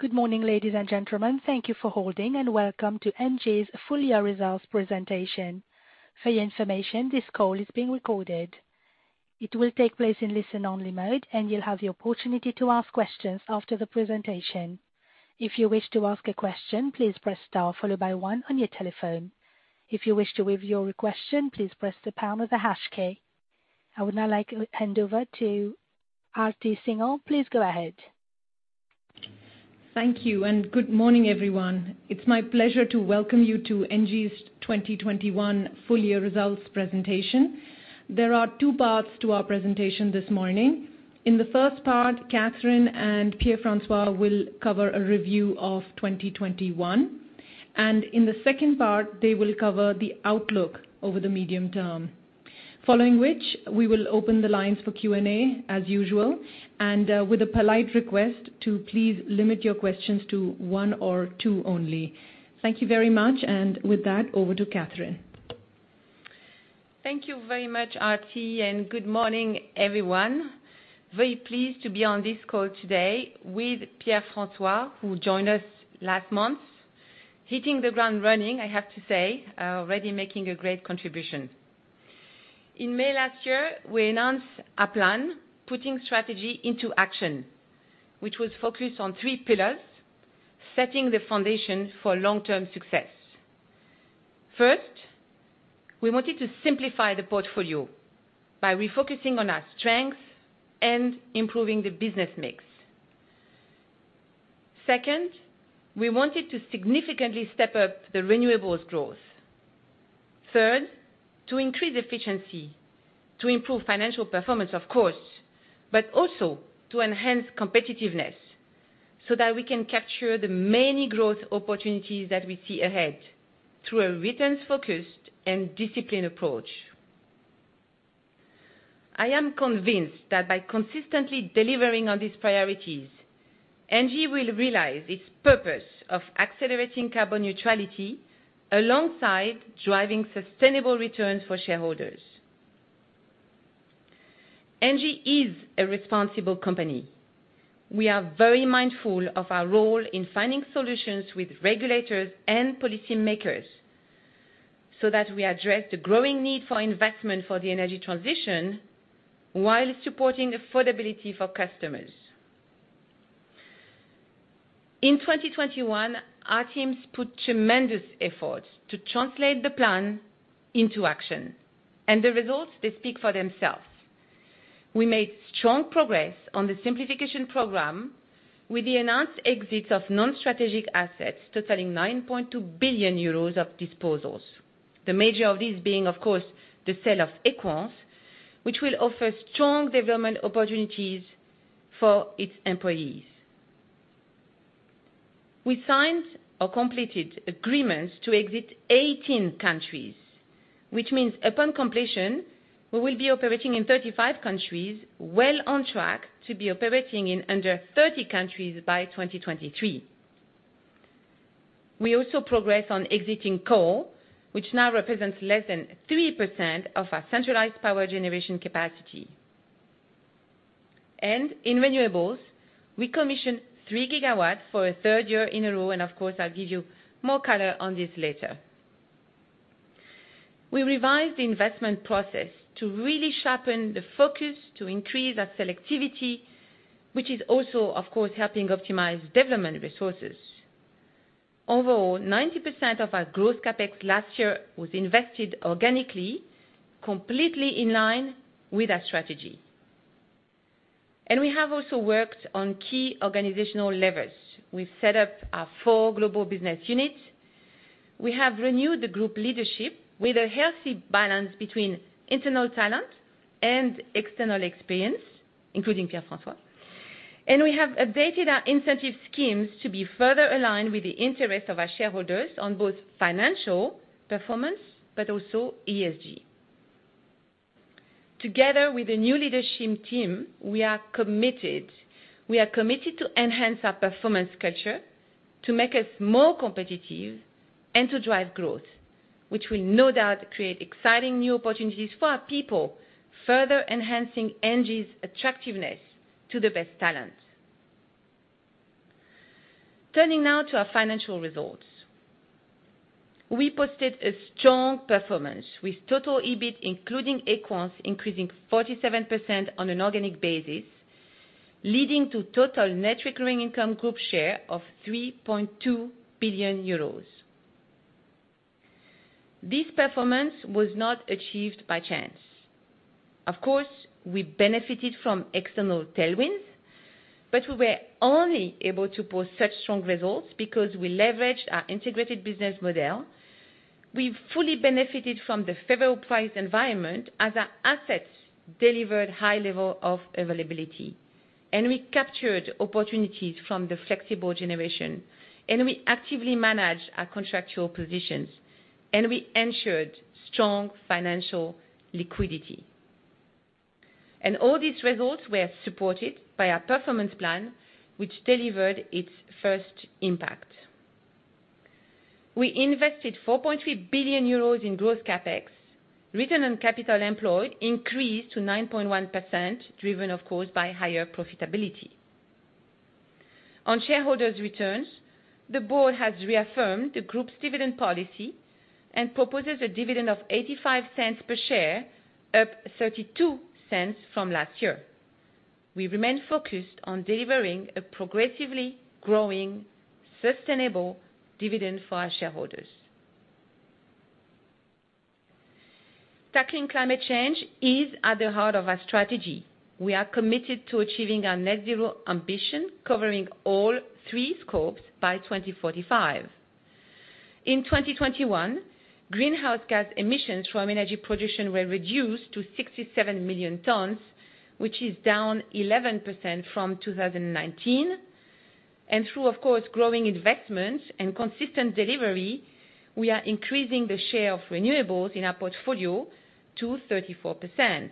Good morning, ladies and gentlemen. Thank you for holding, and welcome to ENGIE's Full-Year Results Presentation. For your information, this call is being recorded. It will take place in listen-only mode, and you'll have the opportunity to ask questions after the presentation. If you wish to ask a question, please press star followed by one on your telephone. If you wish to review your question, please press the pound or the hash key. I would now like to hand over to Aarti Singhal. Please go ahead. Thank you, and good morning, everyone. It's my pleasure to welcome you to ENGIE's 2021 Full-Year Results Presentation. There are two parts to our presentation this morning. In the first part, Catherine and Pierre-François will cover a review of 2021, and in the second part, they will cover the outlook over the medium term. Following which, we will open the lines for Q&A as usual, and with a polite request to please limit your questions to one or two only. Thank you very much, and with that, over to Catherine. Thank you very much, Aarti, and good morning, everyone. Very pleased to be on this call today with Pierre-François, who joined us last month, hitting the ground running, I have to say, already making a great contribution. In May last year, we announced our plan, Putting Strategy into Action, which was focused on three pillars, setting the foundation for long-term success. First, we wanted to simplify the portfolio by refocusing on our strengths and improving the business mix. Second, we wanted to significantly step up the renewables growth. Third, to increase efficiency, to improve financial performance, of course, but also to enhance competitiveness so that we can capture the many growth opportunities that we see ahead through a returns-focused and disciplined approach. I am convinced that by consistently delivering on these priorities, ENGIE will realize its purpose of accelerating carbon neutrality alongside driving sustainable returns for shareholders. ENGIE is a responsible company. We are very mindful of our role in finding solutions with regulators and policymakers so that we address the growing need for investment for the energy transition while supporting affordability for customers. In 2021, our teams put tremendous effort to translate the plan into action, and the results, they speak for themselves. We made strong progress on the simplification program with the announced exits of non-strategic assets totaling 9.2 billion euros of disposals, the majority of these being, of course, the sale of Equans, which will offer strong development opportunities for its employees. We signed or completed agreements to exit 18 countries, which means upon completion, we will be operating in 35 countries, well on track to be operating in under 30 countries by 2023. We also progressed on exiting coal, which now represents less than 3% of our centralized power generation capacity. In renewables, we commissioned three gigawatts for a third year in a row, and of course, I'll give you more color on this later. We revised the investment process to really sharpen the focus to increase our selectivity, which is also, of course, helping optimize development resources. Overall, 90% of our gross capex last year was invested organically, completely in line with our strategy. We have also worked on key organizational levers. We've set up our four global business units. We have renewed the group leadership with a healthy balance between internal talent and external experience, including Pierre-François. We have updated our incentive schemes to be further aligned with the interests of our shareholders on both financial performance but also ESG. Together with the new leadership team, we are committed to enhance our performance culture, to make us more competitive, and to drive growth, which will no doubt create exciting new opportunities for our people, further enhancing ENGIE's attractiveness to the best talent. Turning now to our financial results, we posted a strong performance with total EBIT, including aircraft, increasing 47% on an organic basis, leading to total net recurring income group share of 3.2 billion euros. This performance was not achieved by chance. Of course, we benefited from external tailwinds, but we were only able to post such strong results because we leveraged our integrated business model. We fully benefited from the favorable price environment as our assets delivered high levels of availability, and we captured opportunities from the flexible generation, and we actively managed our contractual positions, and we ensured strong financial liquidity. All these results were supported by our performance plan, which delivered its first impact. We invested 4.3 billion euros in gross capex. Return on capital employed increased to 9.1%, driven, of course, by higher profitability. On shareholders' returns, the board has reaffirmed the group's dividend policy and proposes a dividend of 0.85 per share, up 0.32 from last year. We remain focused on delivering a progressively growing sustainable dividend for our shareholders. Tackling climate change is at the heart of our strategy. We are committed to achieving our net-zero ambition, covering all three scopes by 2045. In 2021, greenhouse gas emissions from energy production were reduced to 67 million tons, which is down 11% from 2019. Through, of course, growing investments and consistent delivery, we are increasing the share of renewables in our portfolio to 34%.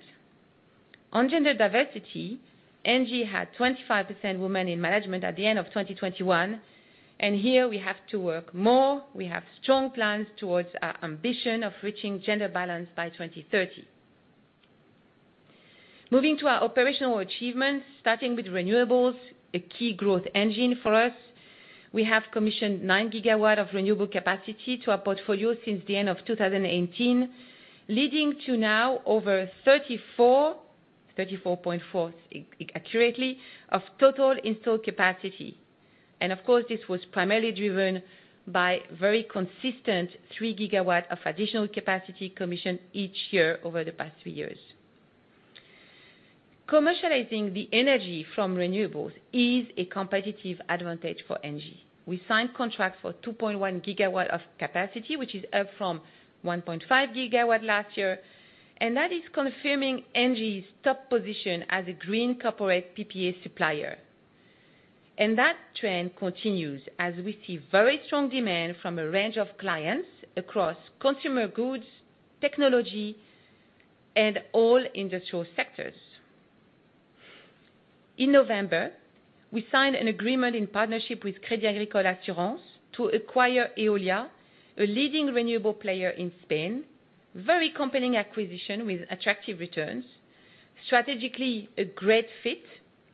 On gender diversity, ENGIE had 25% women in management at the end of 2021, and here we have to work more. We have strong plans towards our ambition of reaching gender balance by 2030. Moving to our operational achievements, starting with renewables, a key growth engine for us, we have commissioned nine gigawatts of renewable capacity to our portfolio since the end of 2018, leading to now over 34, 34.4 accurately, of total installed capacity, and of course, this was primarily driven by very consistent three gigawatts of additional capacity commissioned each year over the past three years. Commercializing the energy from renewables is a competitive advantage for ENGIE. We signed contracts for 2.1 gigawatts of capacity, which is up from 1.5 gigawatts last year, and that is confirming ENGIE's top position as a green corporate PPA supplier. That trend continues as we see very strong demand from a range of clients across consumer goods, technology, and all industrial sectors. In November, we signed an agreement in partnership with Crédit Agricole Assurances to acquire Eolia, a leading renewable player in Spain, a very compelling acquisition with attractive returns, strategically a great fit,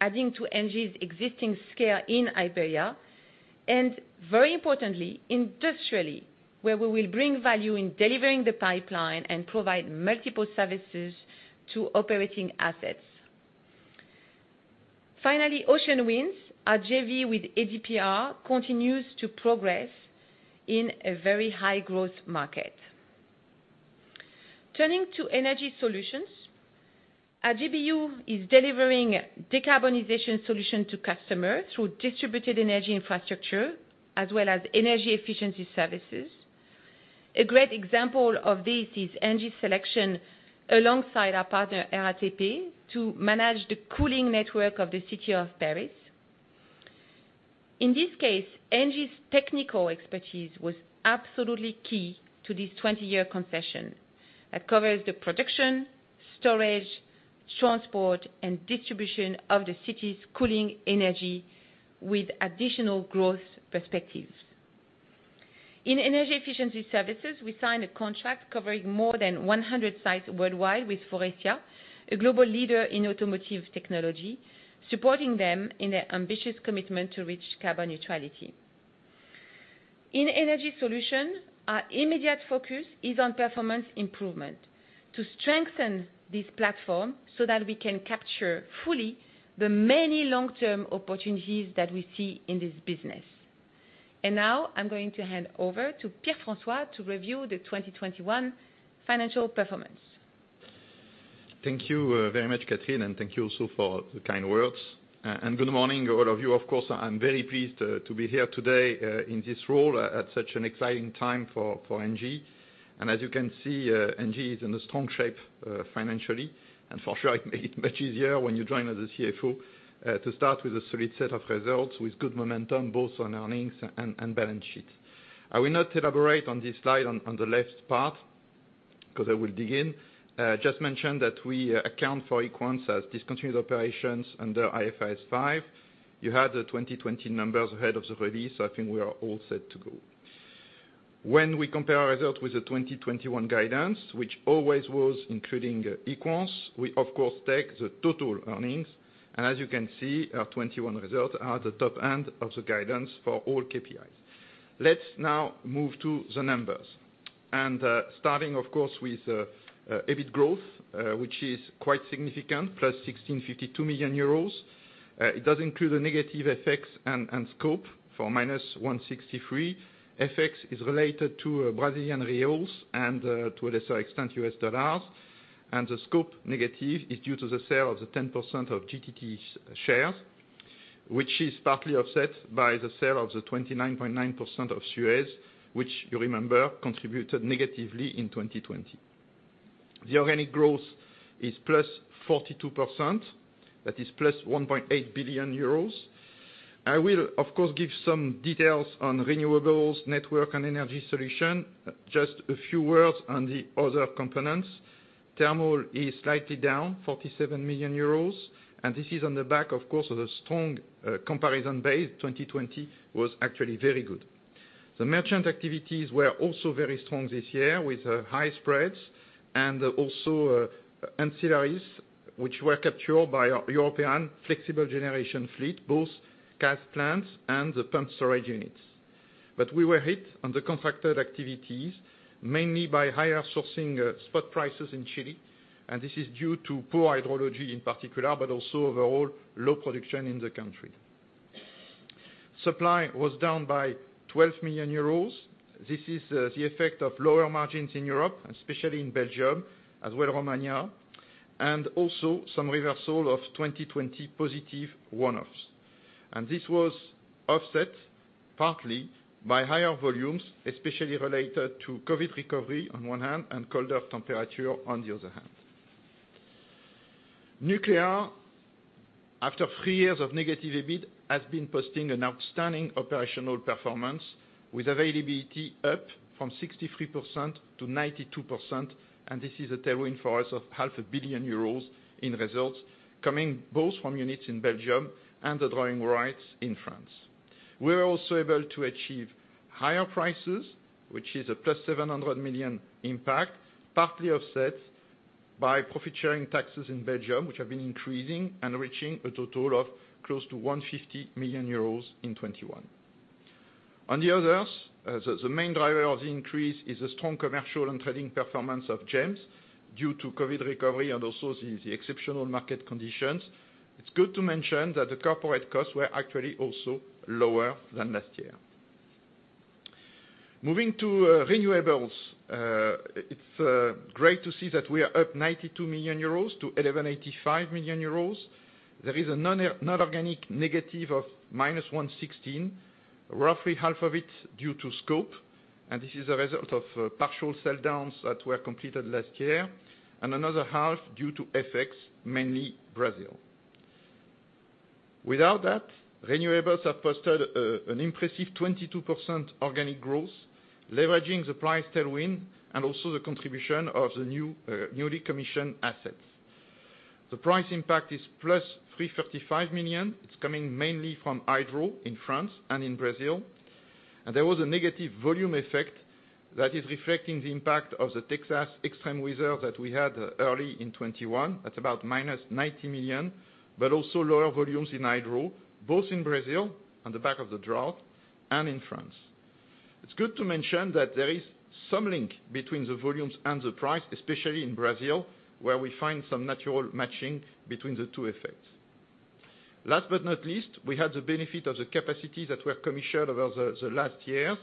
adding to ENGIE's existing scale in Iberia, and very importantly, industrially, where we will bring value in delivering the pipeline and provide multiple services to operating assets. Finally, Ocean Winds, our JV with EDPR, continues to progress in a very high-growth market. Turning to energy solutions, our GBU is delivering decarbonization solutions to customers through distributed energy infrastructure as well as energy efficiency services. A great example of this is ENGIE's selection alongside our partner, RATP, to manage the cooling network of the city of Paris. In this case, ENGIE's technical expertise was absolutely key to this 20-year concession that covers the production, storage, transport, and distribution of the city's cooling energy with additional growth perspectives. In energy efficiency services, we signed a contract covering more than 100 sites worldwide with Faurecia, a global leader in automotive technology, supporting them in their ambitious commitment to reach carbon neutrality. In energy solutions, our immediate focus is on performance improvement to strengthen this platform so that we can capture fully the many long-term opportunities that we see in this business. And now I'm going to hand over to Pierre-François to review the 2021 financial performance. Thank you very much, Catherine, and thank you also for the kind words and good morning, all of you. Of course, I'm very pleased to be here today in this role at such an exciting time for ENGIE, and as you can see, ENGIE is in strong shape financially, and for sure, it made it much easier when you join as a CFO to start with a solid set of results with good momentum, both on earnings and balance sheets. I will not elaborate on this slide on the left part because I will dig in. Just mention that we account for Equans as discontinued operations under IFRS 5. You had the 2020 numbers ahead of the release, so I think we are all set to go. When we compare our result with the 2021 guidance, which always was including aircraft, we, of course, take the total earnings, and as you can see, our 2021 results are at the top end of the guidance for all KPIs. Let's now move to the numbers. And starting, of course, with EBIT growth, which is quite significant, +1,652 million euros. It does include a negative FX and scope for minus 163. FX is related to Brazilian reals and, to a lesser extent, US dollars. And the scope negative is due to the sale of the 10% of GTT shares, which is partly offset by the sale of the 29.9% of Suez, which, you remember, contributed negatively in 2020. The organic growth is plus 42%. That is plus 1.8 billion euros. I will, of course, give some details on renewables, network, and energy solution. Just a few words on the other components. Thermal is slightly down, 47 million euros, and this is on the back, of course, of a strong comparison base. 2020 was actually very good. The merchant activities were also very strong this year with high spreads and also ancillaries, which were captured by our European flexible generation fleet, both gas plants and the pumped storage units. But we were hit on the contracted activities mainly by higher sourcing spot prices in Chile, and this is due to poor hydrology in particular, but also overall low production in the country. Supply was down by 12 million euros. This is the effect of lower margins in Europe, especially in Belgium, as well as Romania, and also some reversal of 2020 positive one-offs. And this was offset partly by higher volumes, especially related to COVID recovery on one hand and colder temperature on the other hand. Nuclear, after three years of negative EBIT, has been posting an outstanding operational performance with availability up from 63% to 92%, and this is a tailwind for us of 500 million euros in results coming both from units in Belgium and the drawing rights in France. We were also able to achieve higher prices, which is a plus 700 million impact, partly offset by profit-sharing taxes in Belgium, which have been increasing and reaching a total of close to 150 million euros in 2021. On the others, the main driver of the increase is the strong commercial and trading performance of GEMS due to COVID recovery and also the exceptional market conditions. It's good to mention that the corporate costs were actually also lower than last year. Moving to renewables, it's great to see that we are up 92 million euros to 1,185 million euros. There is a non-organic negative of minus 116 million, roughly half of it due to scope, and this is a result of partial sell-downs that were completed last year, and another half due to FX, mainly Brazil. Without that, renewables have posted an impressive 22% organic growth, leveraging the price tailwind and also the contribution of the newly commissioned assets. The price impact is +335 million. It's coming mainly from hydro in France and in Brazil. And there was a -ve volume effect that is reflecting the impact of the Texas extreme weather that we had early in 2021. That's about -90 million, but also lower volumes in hydro, both in Brazil on the back of the drought and in France. It's good to mention that there is some link between the volumes and the price, especially in Brazil, where we find some natural matching between the two effects. Last but not least, we had the benefit of the capacities that were commissioned over the last years.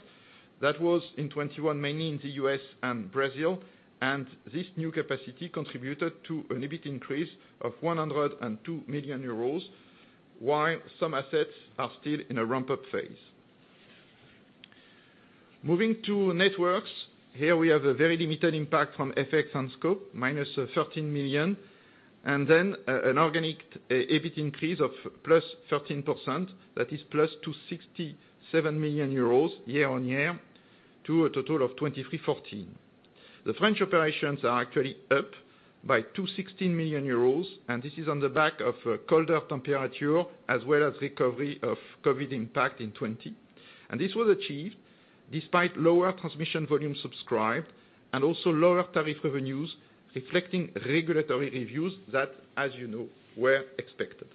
That was in 2021, mainly in the U.S. and Brazil, and this new capacity contributed to an EBIT increase of 102 million euros, while some assets are still in a ramp-up phase. Moving to networks, here we have a very limited impact from FX and scope, minus 13 million, and then an organic EBIT increase of plus 13%. That is plus 267 million euros year-on-year to a total of 2,314. The French operations are actually up by 216 million euros, and this is on the back of colder temperature as well as recovery of COVID impact in 2020, and this was achieved despite lower transmission volume subscribed and also lower tariff revenues reflecting regulatory reviews that, as you know, were expected.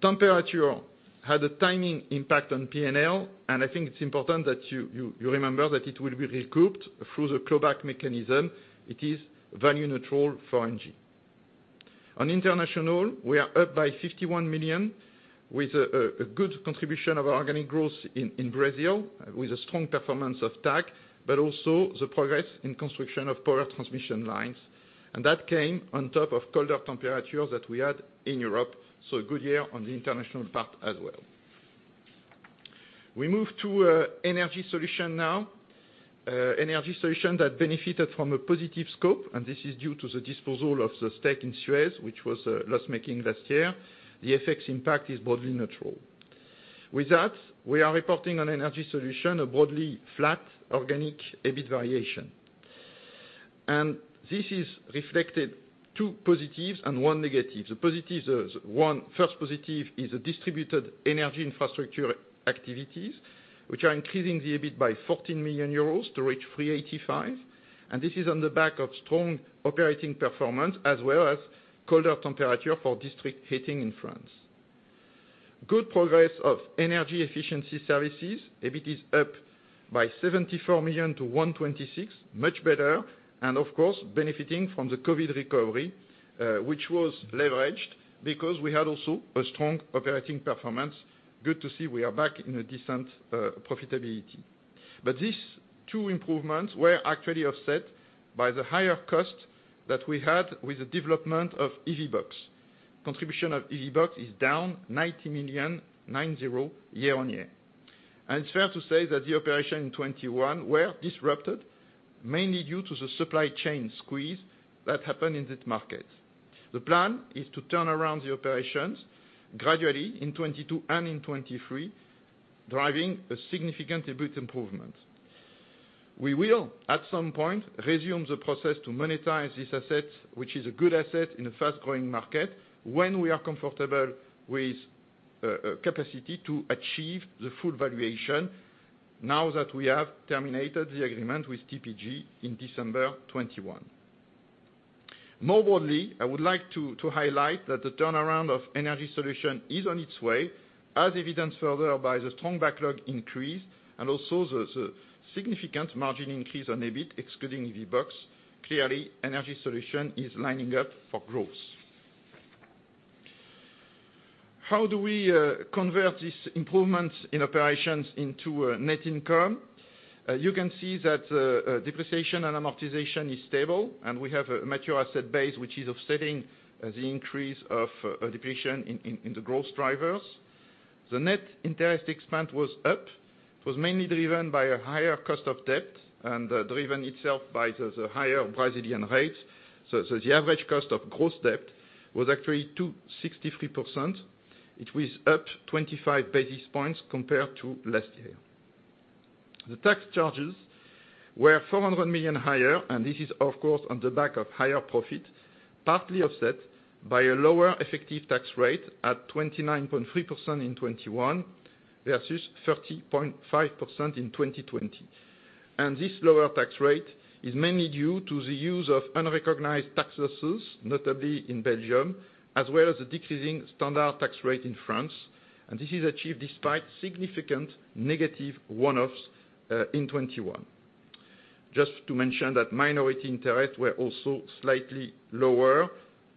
Temperature had a timing impact on P&L, and I think it's important that you remember that it will be recouped through the clawback mechanism. It is value neutral for ENGIE. On international, we are up by 51 million with a good contribution of organic growth in Brazil with a strong performance of TAG, but also the progress in construction of power transmission lines. That came on top of colder temperatures that we had in Europe, so a good year on the international part as well. We move to energy solution now. Energy solution that benefited from a positive scope, and this is due to the disposal of the stake in Suez, which was loss-making last year. The FX impact is broadly neutral. With that, we are reporting on energy solution, a broadly flat organic EBIT variation. This is reflected in two positives and one negative. The positive, the one first positive is the distributed energy infrastructure activities, which are increasing the EBIT by 14 million euros to reach 385. And this is on the back of strong operating performance as well as colder temperature for district heating in France. Good progress of energy efficiency services. EBIT is up by 74 million to 126, much better, and of course, benefiting from the COVID recovery, which was leveraged because we had also a strong operating performance. Good to see we are back in a decent profitability. But these two improvements were actually offset by the higher cost that we had with the development of EVBox. Contribution of EVBox is down 90 million, year-on-year. And it's fair to say that the operation in 2021 were disrupted mainly due to the supply chain squeeze that happened in this market. The plan is to turn around the operations gradually in 2022 and in 2023, driving a significant EBIT improvement. We will, at some point, resume the process to monetize this asset, which is a good asset in a fast-growing market when we are comfortable with capacity to achieve the full valuation now that we have terminated the agreement with TPG in December 2021. More broadly, I would like to highlight that the turnaround of energy solution is on its way, as evidenced further by the strong backlog increase and also the significant margin increase on EBIT, excluding EVBox. Clearly, energy solution is lining up for growth. How do we convert this improvement in operations into net income? You can see that depreciation and amortization is stable, and we have a mature asset base, which is offsetting the increase of depreciation in the growth drivers. The net interest expense was up. It was mainly driven by a higher cost of debt and driven itself by the higher Brazilian rates. So the average cost of gross debt was actually 263. It was up 25 basis points compared to last year. The tax charges were 400 million higher, and this is, of course, on the back of higher profit, partly offset by a lower effective tax rate at 29.3% in 2021 versus 30.5% in 2020. And this lower tax rate is mainly due to the use of unrecognized taxes, notably in Belgium, as well as the decreasing standard tax rate in France. And this is achieved despite significant negative one-offs in 2021. Just to mention that minority interest were also slightly lower.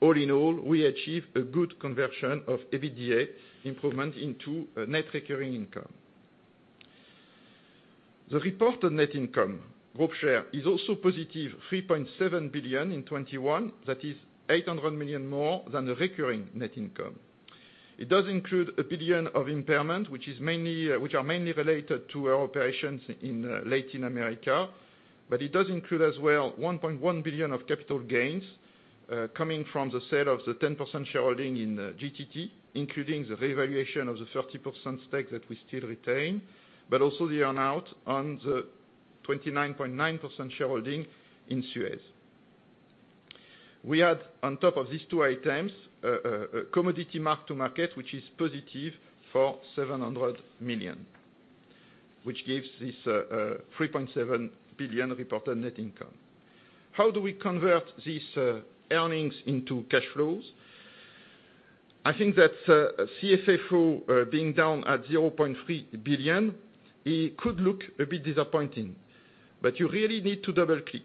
All in all, we achieved a good conversion of EBITDA improvement into net recurring income. The reported net income, Group share, is also positive, 3.7 billion in 2021. That is 800 million more than the recurring net income. It does include a billion of impairment, which are mainly related to our operations in Latin America, but it does include as well 1.1 billion of capital gains coming from the sale of the 10% shareholding in GTT, including the revaluation of the 30% stake that we still retain, but also the earn-out on the 29.9% shareholding in Suez. We had, on top of these two items, a commodity mark-to-market, which is positive for 700 million, which gives this 3.7 billion reported net income. How do we convert these earnings into cash flows? I think that CFFO being down at 0.3 billion, it could look a bit disappointing, but you really need to double-click.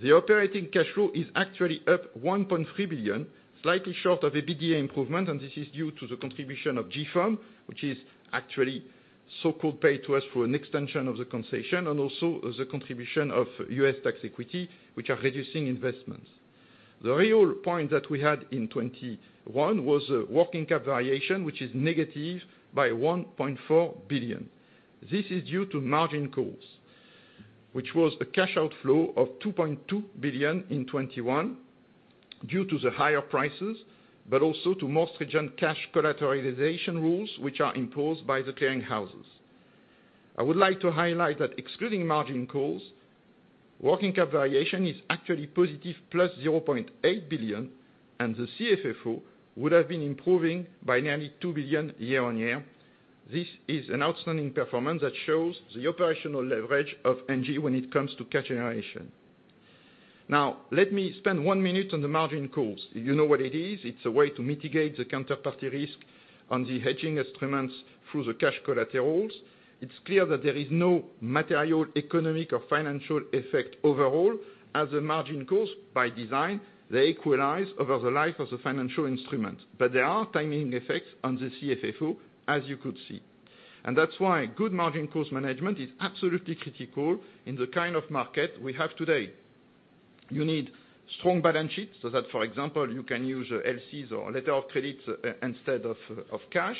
The operating cash flow is actually up 1.3 billion, slightly short of EBITDA improvement, and this is due to the contribution of GEMS, which is actually so-called pay to us for an extension of the concession, and also the contribution of U.S. tax equity, which are reducing investments. The real point that we had in 2021 was the working cap variation, which is negative by 1.4 billion. This is due to margin calls, which was a cash outflow of 2.2 billion in 2021 due to the higher prices, but also to more stringent cash collateralization rules, which are imposed by the clearing houses. I would like to highlight that excluding margin calls, working cap variation is actually positive, plus 0.8 billion, and the CFFO would have been improving by nearly 2 billion year-on-year. This is an outstanding performance that shows the operational leverage of ENGIE when it comes to cash generation. Now, let me spend one minute on the margin calls. You know what it is. It's a way to mitigate the counterparty risk on the hedging instruments through the cash collaterals. It's clear that there is no material economic or financial effect overall, as the margin calls, by design, they equalize over the life of the financial instrument. But there are timing effects on the CFFO, as you could see. And that's why good margin calls management is absolutely critical in the kind of market we have today. You need strong balance sheets so that, for example, you can use LCs or letter of credit instead of cash.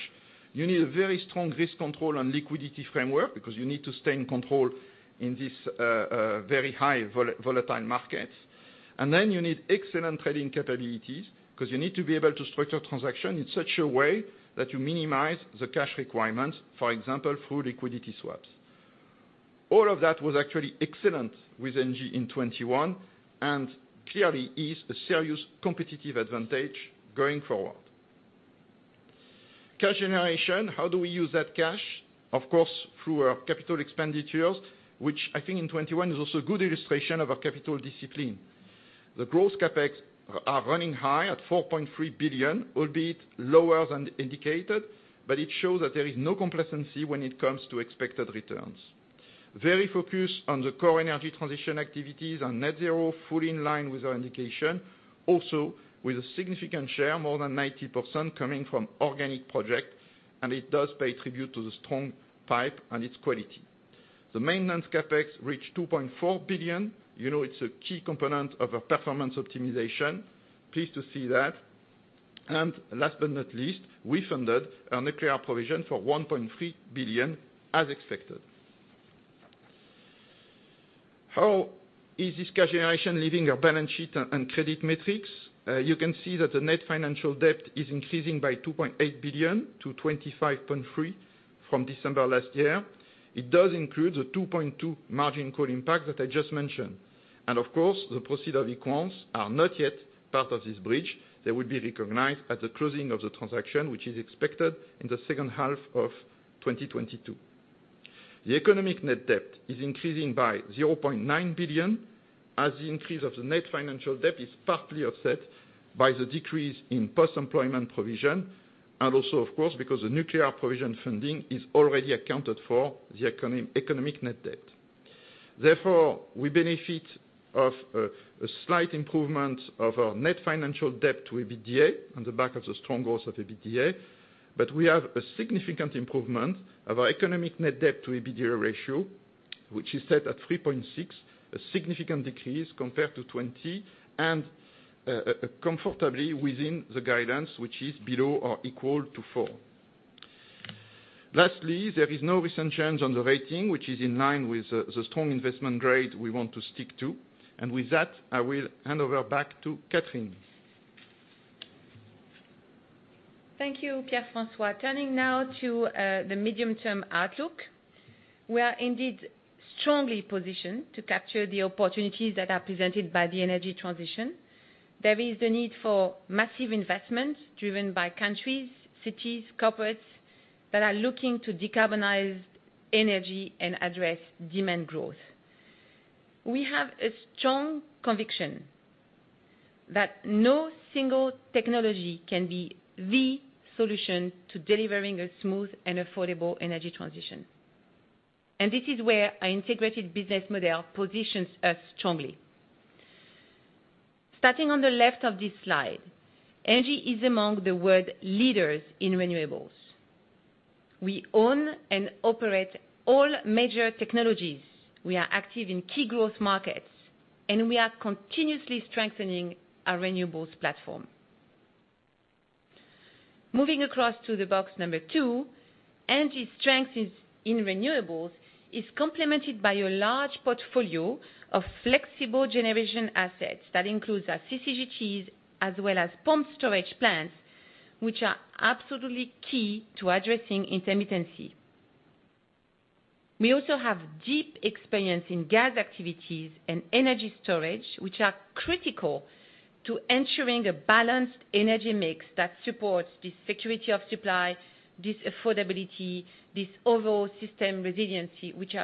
You need a very strong risk control and liquidity framework because you need to stay in control in these very high volatile markets. And then you need excellent trading capabilities because you need to be able to structure transactions in such a way that you minimize the cash requirements, for example, through liquidity swaps. All of that was actually excellent with ENGIE in 2021 and clearly is a serious competitive advantage going forward. Cash generation, how do we use that cash? Of course, through our capital expenditures, which I think in 2021 is also a good illustration of our capital discipline. The gross capex are running high at 4.3 billion, albeit lower than indicated, but it shows that there is no complacency when it comes to expected returns. Very focused on the core energy transition activities and net zero, fully in line with our indication, also with a significant share, more than 90%, coming from organic projects, and it does pay tribute to the strong pipeline and its quality. The maintenance CapEx reached 2.4 billion. You know it's a key component of our performance optimization. Pleased to see that. And last but not least, we funded our nuclear provision for 1.3 billion, as expected. How is this cash generation leaving our balance sheet and credit metrics? You can see that the net financial debt is increasing by 2.8 billion to 25.3 billion from December last year. It does include the 2.2 billion margin call impact that I just mentioned. And of course, the proceeds of Equans are not yet part of this bridge. They will be recognized at the closing of the transaction, which is expected in the second half of 2022. The economic net debt is increasing by 0.9 billion, as the increase of the net financial debt is partly offset by the decrease in post-employment provision, and also, of course, because the nuclear provision funding is already accounted for the economic net debt. Therefore, we benefit of a slight improvement of our net financial debt to EBITDA on the back of the strong growth of EBITDA, but we have a significant improvement of our economic net debt to EBITDA ratio, which is set at 3.6, a significant decrease compared to 20, and comfortably within the guidance, which is below or equal to four. Lastly, there is no recent change on the rating, which is in line with the strong investment grade we want to stick to. And with that, I will hand over back to Catherine. Thank you, Pierre-François. Turning now to the medium-term outlook, we are indeed strongly positioned to capture the opportunities that are presented by the energy transition. There is the need for massive investments driven by countries, cities, corporates that are looking to decarbonize energy and address demand growth. We have a strong conviction that no single technology can be the solution to delivering a smooth and affordable energy transition. And this is where our integrated business model positions us strongly. Starting on the left of this slide, ENGIE is among the world leaders in renewables. We own and operate all major technologies. We are active in key growth markets, and we are continuously strengthening our renewables platform. Moving across to the box number two, ENG'IEs strength in renewables is complemented by a large portfolio of flexible generation assets that includes our CCGTs as well as pumped storage plants, which are absolutely key to addressing intermittency. We also have deep experience in gas activities and energy storage, which are critical to ensuring a balanced energy mix that supports this security of supply, this affordability, this overall system resiliency, which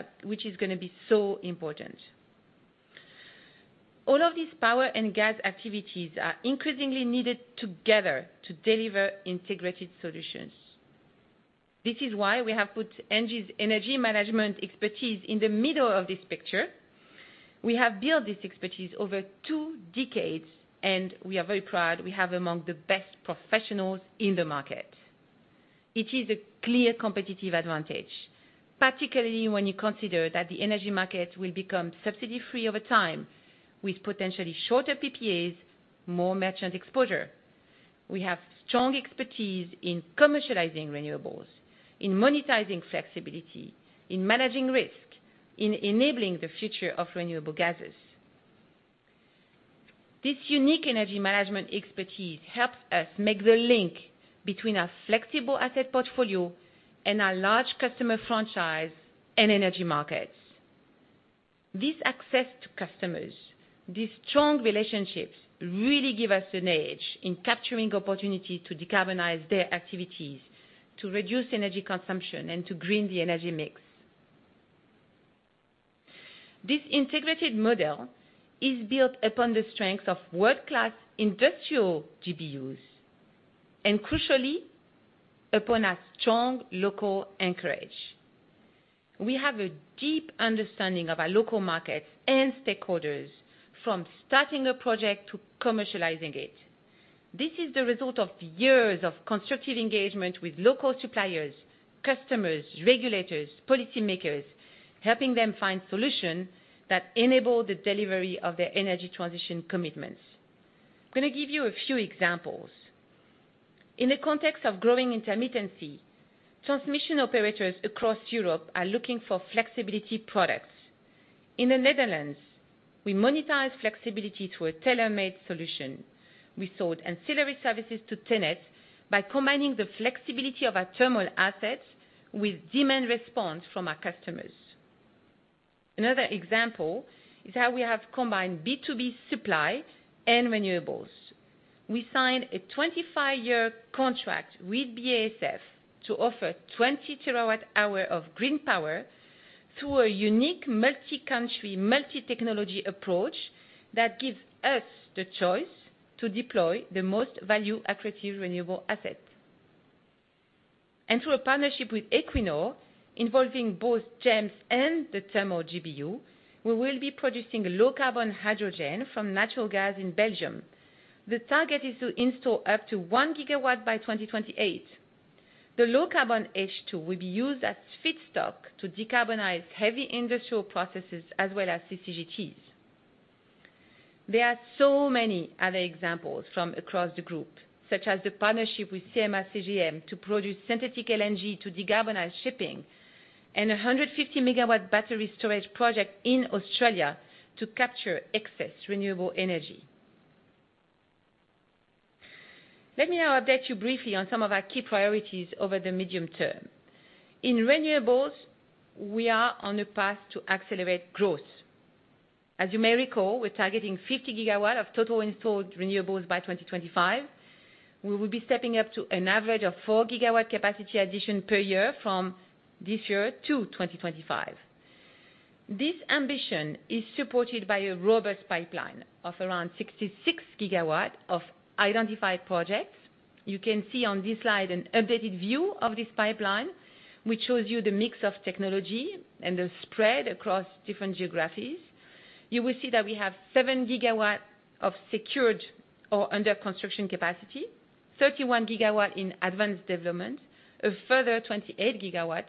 is going to be so important. All of these power and gas activities are increasingly needed together to deliver integrated solutions. This is why we have put ENGIE's energy management expertise in the middle of this picture. We have built this expertise over two decades, and we are very proud we have among the best professionals in the market. It is a clear competitive advantage, particularly when you consider that the energy market will become subsidy-free over time with potentially shorter PPAs, more merchant exposure. We have strong expertise in commercializing renewables, in monetizing flexibility, in managing risk, in enabling the future of renewable gases. This unique energy management expertise helps us make the link between our flexible asset portfolio and our large customer franchise and energy markets. This access to customers, these strong relationships really give us an edge in capturing opportunities to decarbonize their activities, to reduce energy consumption, and to green the energy mix. This integrated model is built upon the strength of world-class industrial GBUs and, crucially, upon our strong local anchorage. We have a deep understanding of our local markets and stakeholders, from starting a project to commercializing it. This is the result of years of constructive engagement with local suppliers, customers, regulators, policymakers, helping them find solutions that enable the delivery of their energy transition commitments. I'm going to give you a few examples. In the context of growing intermittency, transmission operators across Europe are looking for flexibility products. In the Netherlands, we monetize flexibility through a tailor-made solution. We sold ancillary services to tenants by combining the flexibility of our thermal assets with demand response from our customers. Another example is how we have combined B2B supply and renewables. We signed a 25-year contract with BASF to offer 20 terawatt-hours of green power through a unique multi-country, multi-technology approach that gives us the choice to deploy the most value-accretive renewable asset, and through a partnership with Equinor, involving both GEMS and the thermal GBU, we will be producing low-carbon hydrogen from natural gas in Belgium. The target is to install up to one gigawatt by 2028. The low-carbon H2 will be used as feedstock to decarbonize heavy industrial processes as well as CCGTs. There are so many other examples from across the group, such as the partnership with CMA CGM to produce synthetic LNG to decarbonize shipping and a 150-megawatt battery storage project in Australia to capture excess renewable energy. Let me now update you briefly on some of our key priorities over the medium term. In renewables, we are on a path to accelerate growth. As you may recall, we're targeting 50 gigawatts of total installed renewables by 2025. We will be stepping up to an average of four gigawatt capacity addition per year from this year to 2025. This ambition is supported by a robust pipeline of around 66 gigawatts of identified projects. You can see on this slide an updated view of this pipeline, which shows you the mix of technology and the spread across different geographies. You will see that we have 7 GW of secured or under construction capacity, 31 GW in advanced development, a further 28 GW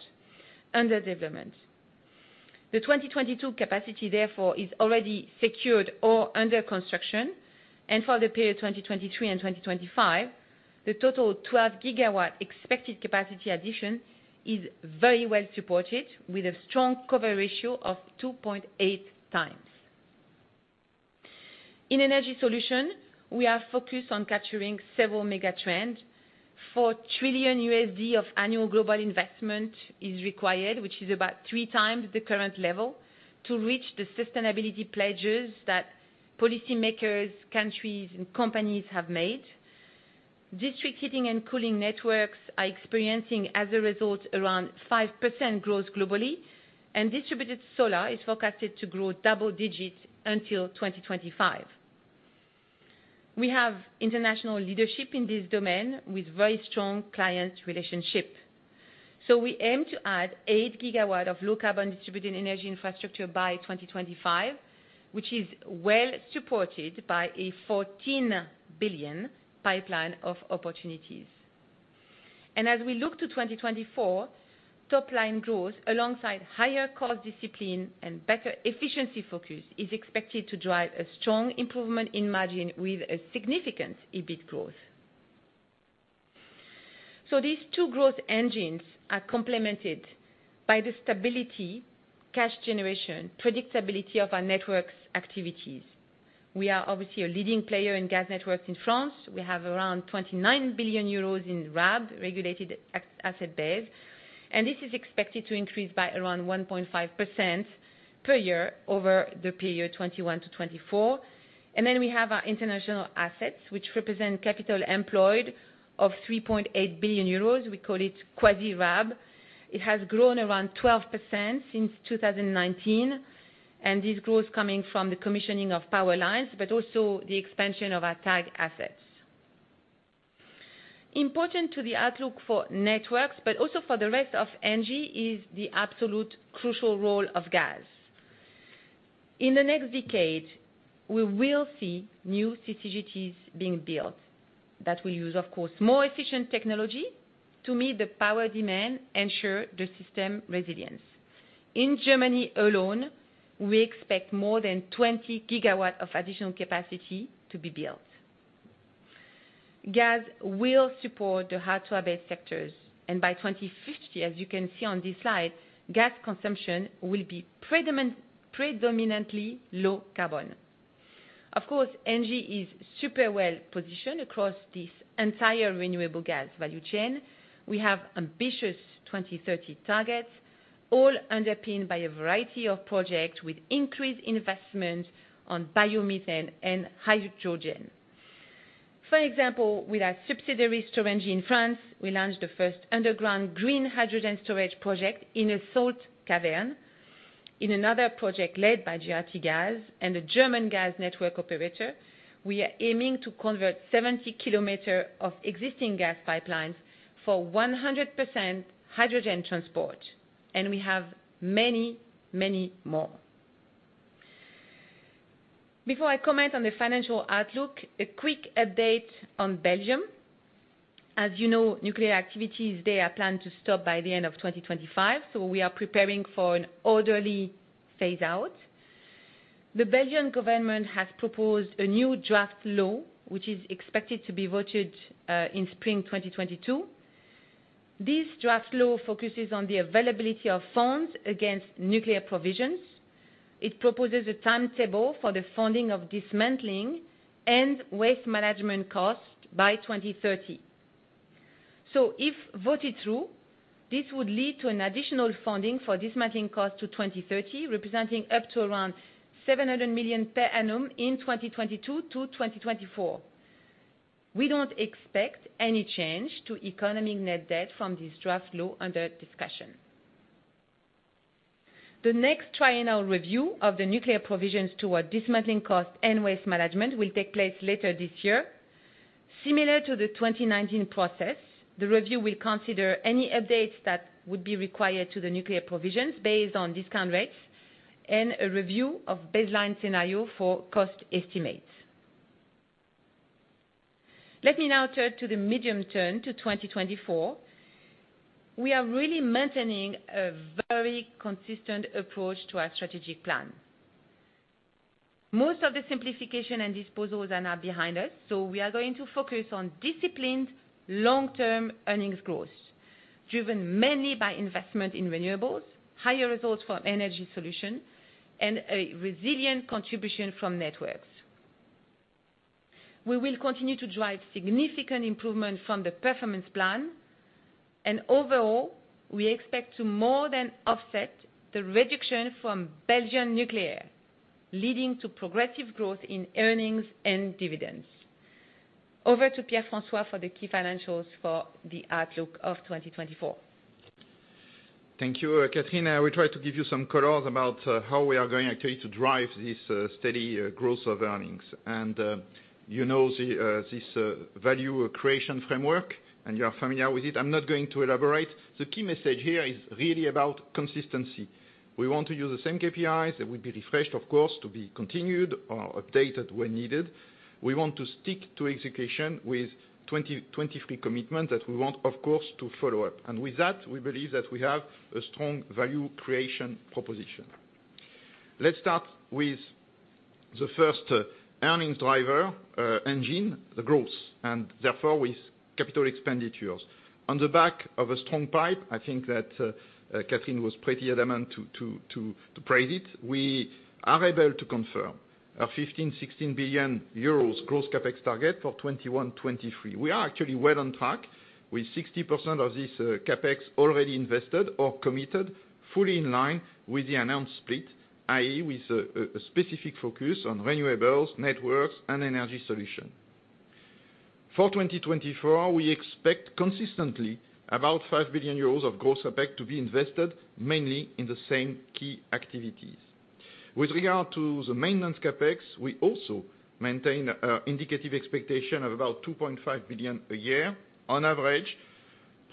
under development. The 2022 capacity, therefore, is already secured or under construction. For the period 2023 and 2025, the total 12 gigawatt expected capacity addition is very well supported with a strong cover ratio of 2.8x. In energy solution, we are focused on capturing several mega trends. $4 trillion of annual global investment is required, which is about three times the current level, to reach the sustainability pledges that policymakers, countries, and companies have made. District heating and cooling networks are experiencing, as a result, around 5% growth globally, and distributed solar is forecasted to grow double digits until 2025. We have international leadership in this domain with very strong client relationships. So we aim to add eight gigawatts of low-carbon distributed energy infrastructure by 2025, which is well supported by a 14 billion pipeline of opportunities. And as we look to 2024, top-line growth alongside higher cost discipline and better efficiency focus is expected to drive a strong improvement in margin with significant EBIT growth. So these two growth engines are complemented by the stability, cash generation, predictability of our networks activities. We are obviously a leading player in gas networks in France. We have around 29 billion euros in RAB, regulated asset base. And this is expected to increase by around 1.5% per year over the period 2021 to 2024. Then we have our international assets, which represent capital employed of 3.8 billion euros. We call it quasi-RAB. It has grown around 12% since 2019, and this growth is coming from the commissioning of power lines, but also the expansion of our TAG assets. Important to the outlook for networks, but also for the rest of ENGIE, is the absolute crucial role of gas. In the next decade, we will see new CCGTs being built that will use, of course, more efficient technology to meet the power demand and ensure the system resilience. In Germany alone, we expect more than 20 GW of additional capacity to be built. Gas will support the hard-to-abate sectors. And by 2050, as you can see on this slide, gas consumption will be predominantly low carbon. Of course, ENGIE is super well positioned across this entire renewable gas value chain. We have ambitious 2030 targets, all underpinned by a variety of projects with increased investment on biomethane and hydrogen. For example, with our subsidiary Storengy in France, we launched the first underground green hydrogen storage project in a salt cavern. In another project led by GRTgaz and a German gas network operator, we are aiming to convert 70 km of existing gas pipelines for 100% hydrogen transport. And we have many, many more. Before I comment on the financial outlook, a quick update on Belgium. As you know, nuclear activities there are planned to stop by the end of 2025, so we are preparing for an orderly phase-out. The Belgian government has proposed a new draft law, which is expected to be voted in spring 2022. This draft law focuses on the availability of funds against nuclear provisions. It proposes a timetable for the funding of dismantling and waste management costs by 2030, so if voted through, this would lead to an additional funding for dismantling costs to 2030, representing up to around 700 million per annum in 2022 to 2024. We don't expect any change to economic net debt from this draft law under discussion. The next triennial review of the nuclear provisions toward dismantling costs and waste management will take place later this year. Similar to the 2019 process, the review will consider any updates that would be required to the nuclear provisions based on discount rates and a review of baseline scenarios for cost estimates. Let me now turn to the medium term to 2024. We are really maintaining a very consistent approach to our strategic plan. Most of the simplification and disposals are now behind us, so we are going to focus on disciplined long-term earnings growth, driven mainly by investment in renewables, higher results from energy solutions, and a resilient contribution from networks. We will continue to drive significant improvement from the performance plan, and overall, we expect to more than offset the reduction from Belgian nuclear, leading to progressive growth in earnings and dividends. Over to Pierre-François for the key financials for the outlook of 2024. Thank you, Catherine. We tried to give you some colors about how we are going actually to drive this steady growth of earnings, and you know this value creation framework, and you are familiar with it. I'm not going to elaborate. The key message here is really about consistency. We want to use the same KPIs that will be refreshed, of course, to be continued or updated when needed. We want to stick to execution with 2023 commitments that we want, of course, to follow up. And with that, we believe that we have a strong value creation proposition. Let's start with the first earnings driver engine, the growth, and therefore with capital expenditures. On the back of a strong pipe, I think that Catherine was pretty adamant to praise it, we are able to confirm our 15billion-16 billion euros gross CapEx target for 2021-2023. We are actually well on track with 60% of this CapEx already invested or committed, fully in line with the announced split, i.e., with a specific focus on renewables, networks, and energy solutions. For 2024, we expect consistently about 5 billion euros of gross CapEx to be invested mainly in the same key activities. With regard to the maintenance CapEx, we also maintain an indicative expectation of about 2.5 billion a year on average,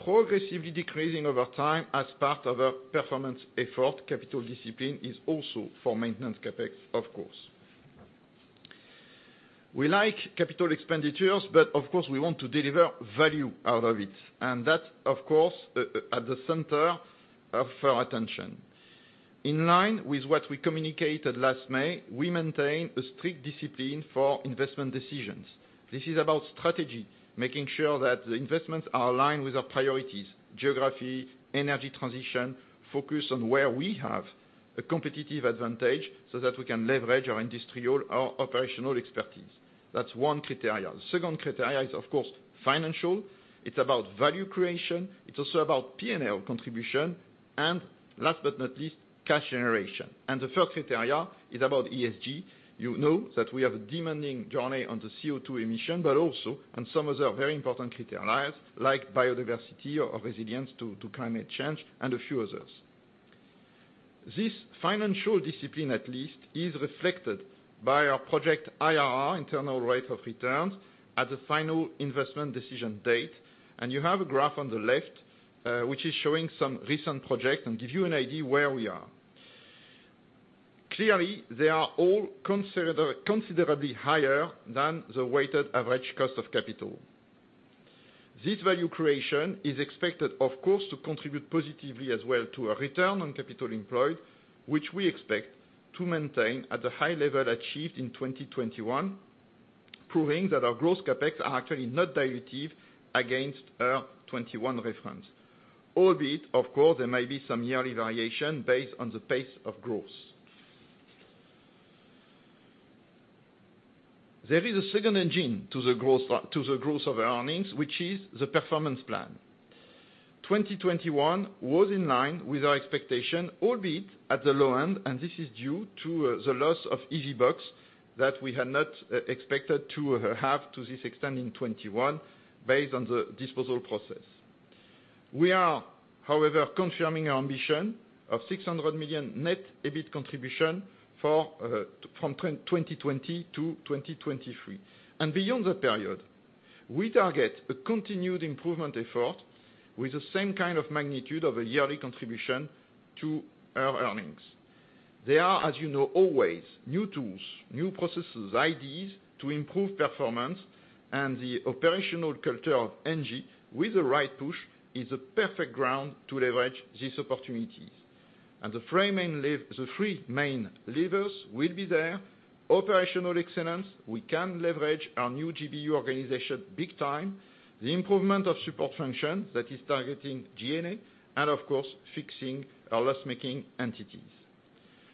progressively decreasing over time as part of our performance effort. Capital discipline is also for maintenance CapEx, of course. We like capital expenditures, but of course, we want to deliver value out of it. And that's, of course, at the center of our attention. In line with what we communicated last May, we maintain a strict discipline for investment decisions. This is about strategy, making sure that the investments are aligned with our priorities: geography, energy transition, focus on where we have a competitive advantage so that we can leverage our industrial or operational expertise. That's one criteria. The second criteria is, of course, financial. It's about value creation. It's also about P&L contribution. And last but not least, cash generation. And the first criteria is about ESG. You know that we have a demanding journey on the CO2 emission, but also on some other very important criteria like biodiversity or resilience to climate change and a few others. This financial discipline, at least, is reflected by our project IRR, internal rate of returns, at the final investment decision date, and you have a graph on the left, which is showing some recent projects and gives you an idea where we are. Clearly, they are all considerably higher than the weighted average cost of capital. This value creation is expected, of course, to contribute positively as well to our return on capital employed, which we expect to maintain at the high level achieved in 2021, proving that our gross capex are actually not dilutive against our 21 reference. Albeit, of course, there may be some yearly variation based on the pace of growth. There is a second engine to the growth of our earnings, which is the performance plan. 2021 was in line with our expectation, albeit at the low end, and this is due to the loss of EVBox that we had not expected to have to this extent in 2021 based on the disposal process. We are, however, confirming our ambition of 600 million net EBIT contribution from 2020 to 2023, and beyond that period, we target a continued improvement effort with the same kind of magnitude of a yearly contribution to our earnings. There are, as you know, always new tools, new processes, ideas to improve performance, and the operational culture of ENGIE, with the right push, is the perfect ground to leverage these opportunities. The three main levers will be there: operational excellence, we can leverage our new GBU organization big time, the improvement of support functions that is targeting G&A, and, of course, fixing our loss-making entities.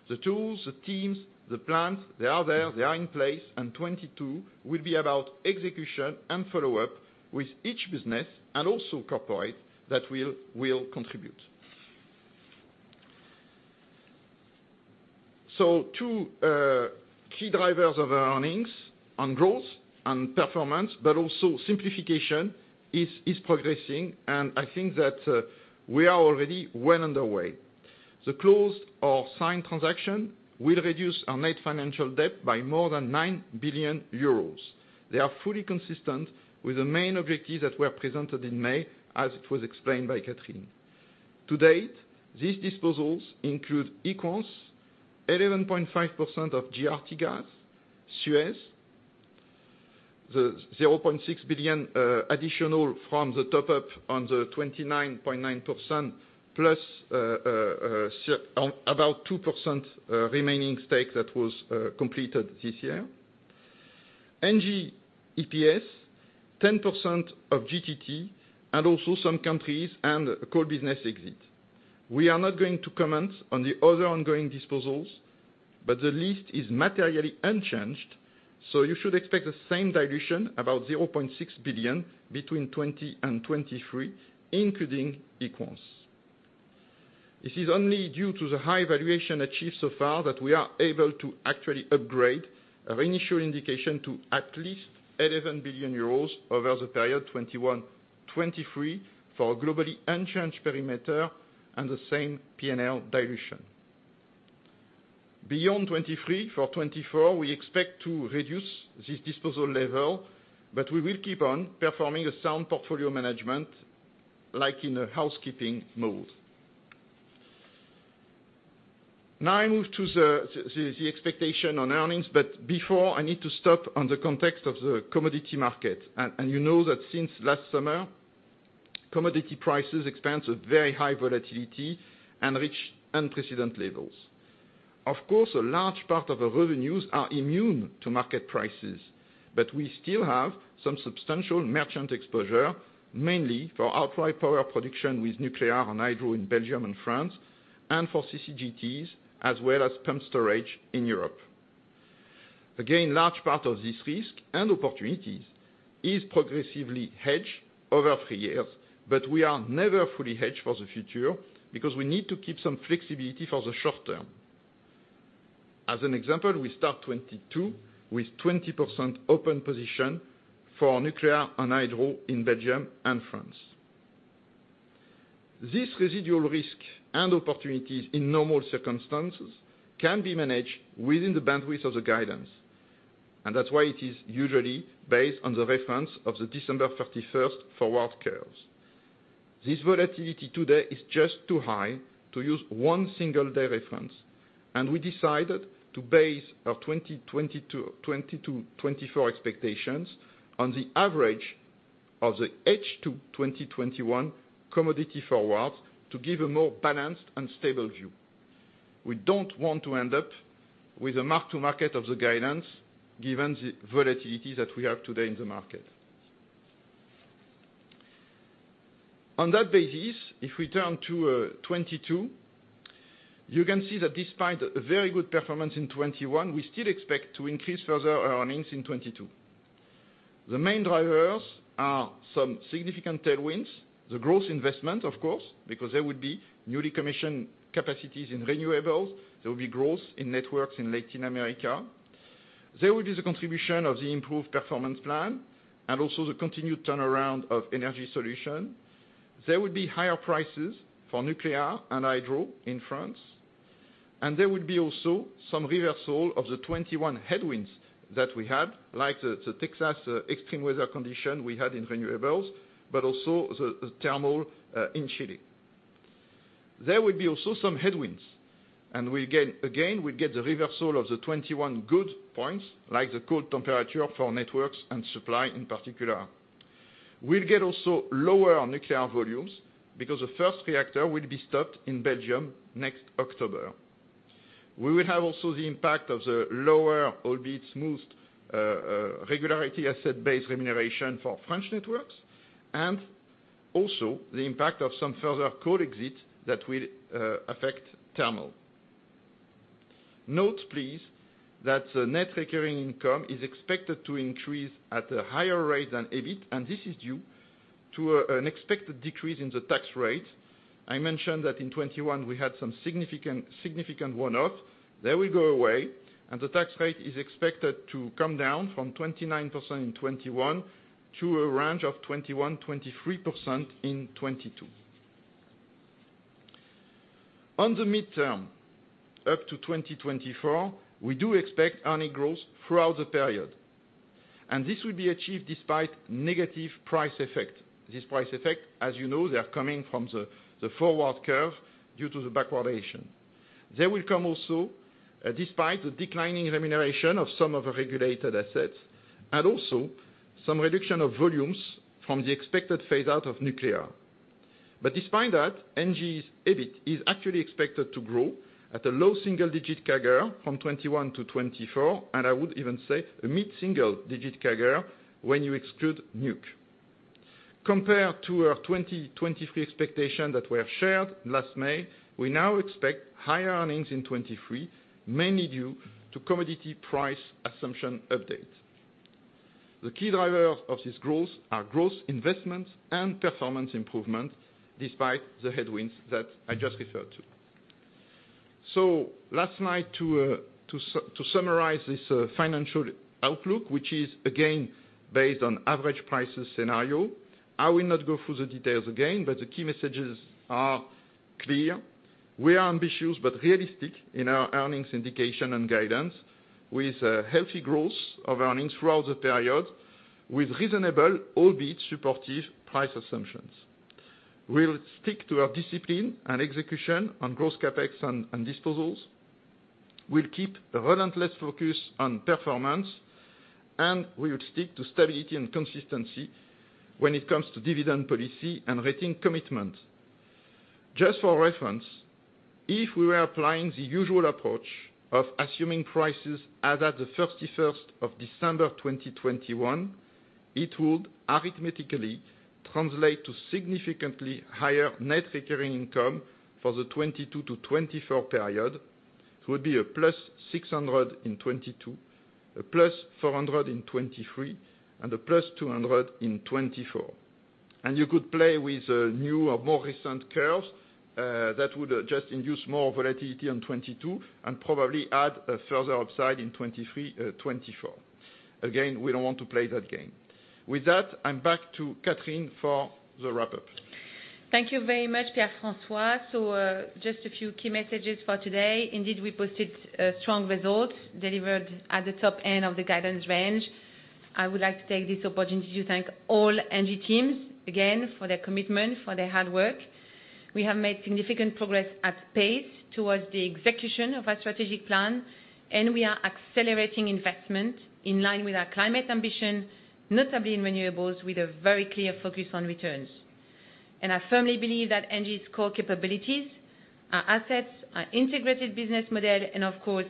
The tools, the teams, the plans, they are there, they are in place, and 2022 will be about execution and follow-up with each business and also corporate that will contribute. So two key drivers of our earnings on growth and performance, but also simplification is progressing, and I think that we are already well underway. The closed or signed transaction will reduce our net financial debt by more than 9 billion euros. They are fully consistent with the main objectives that were presented in May, as it was explained by Catherine. To date, these disposals include Equans, 11.5% of GRTgaz, Suez, the 0.6 billion additional from the top-up on the 29.9%, plus about 2% remaining stake that was completed this year. Engie EPS, 10% of GTT, and also some countries and core business exit. We are not going to comment on the other ongoing disposals, but the list is materially unchanged, so you should expect the same dilution, about 0.6 billion between 2020 and 2023, including Equans. It is only due to the high valuation achieved so far that we are able to actually upgrade our initial indication to at least 11 billion euros over the period 2021-2023 for a globally unchanged perimeter and the same P&L dilution. Beyond 2023, for 2024, we expect to reduce this disposal level, but we will keep on performing a sound portfolio management like in a housekeeping mode. Now I move to the expectation on earnings, but before, I need to stop on the context of the commodity market. And you know that since last summer, commodity prices experience a very high volatility and reach unprecedented levels. Of course, a large part of our revenues are immune to market prices, but we still have some substantial merchant exposure, mainly for outright power production with nuclear and hydro in Belgium and France, and for CCGTs, as well as pumped storage in Europe. Again, a large part of this risk and opportunities is progressively hedged over three years, but we are never fully hedged for the future because we need to keep some flexibility for the short term. As an example, we start 2022 with 20% open position for nuclear and hydro in Belgium and France. This residual risk and opportunities in normal circumstances can be managed within the boundaries of the guidance, and that's why it is usually based on the reference of the December 31st forward curves. This volatility today is just too high to use one single day reference, and we decided to base our 2022-24 expectations on the average of the H2-2021 commodity forwards to give a more balanced and stable view. We don't want to end up with a mark-to-market of the guidance given the volatility that we have today in the market. On that basis, if we turn to 22, you can see that despite a very good performance in 21, we still expect to increase further earnings in 22. The main drivers are some significant tailwinds, the gross investment, of course, because there would be newly commissioned capacities in renewables, there would be growth in networks in Latin America. There would be the contribution of the improved performance plan and also the continued turnaround of energy solution. There would be higher prices for nuclear and hydro in France. There would be also some reversal of the 2021 headwinds that we had, like the Texas extreme weather condition we had in renewables, but also the thermal in Chile. There would be also some headwinds. We'd get the reversal of the 2021 good points, like the cold temperature for networks and supply in particular. We'll get also lower nuclear volumes because the first reactor will be stopped in Belgium next October. We will have also the impact of the lower, albeit smooth, regulated asset-based remuneration for French networks, and also the impact of some further coal exit that will affect thermal. Note, please, that the net recurring income is expected to increase at a higher rate than EBIT, and this is due to an expected decrease in the tax rate. I mentioned that in 2021, we had some significant one-off. That will go away, and the tax rate is expected to come down from 29% in 2021 to a range of 21%-23% in 2022. On the midterm, up to 2024, we do expect earnings growth throughout the period. This will be achieved despite negative price effect. This price effect, as you know, they are coming from the forward curve due to the backwardation. There will come also, despite the declining remuneration of some of the regulated assets, and also some reduction of volumes from the expected phase-out of nuclear. But despite that, ENGIE's EBIT is actually expected to grow at a low single-digit CAGR from 2021 to 2024, and I would even say a mid-single-digit CAGR when you exclude Nuc. Compared to our 2023 expectations that were shared last May, we now expect higher earnings in 2023, mainly due to commodity price assumption update. The key drivers of this growth are gross investments and performance improvement despite the headwinds that I just referred to, so last night, to summarize this financial outlook, which is again based on average prices scenario, I will not go through the details again, but the key messages are clear. We are ambitious but realistic in our earnings indication and guidance, with healthy growth of earnings throughout the period, with reasonable, albeit supportive price assumptions. We'll stick to our discipline and execution on gross CapEx and disposals. We'll keep a relentless focus on performance, and we will stick to stability and consistency when it comes to dividend policy and rating commitment. Just for reference, if we were applying the usual approach of assuming prices as at the 31st of December 2021, it would arithmetically translate to significantly higher net recurring income for the 22 to 24 period. It would be a plus 600 in 22, a plus 400 in 23, and a plus 200 in 24. And you could play with new or more recent curves that would just induce more volatility in 22 and probably add a further upside in 23-24. Again, we don't want to play that game. With that, I'm back to Catherine for the wrap-up. Thank you very much, Pierre-François. So just a few key messages for today. Indeed, we posted strong results delivered at the top end of the guidance range. I would like to take this opportunity to thank all ENGIE teams again for their commitment, for their hard work. We have made significant progress at pace towards the execution of our strategic plan, and we are accelerating investment in line with our climate ambition, notably in renewables, with a very clear focus on returns, and I firmly believe that ENGIE's core capabilities, our assets, our integrated business model, and of course,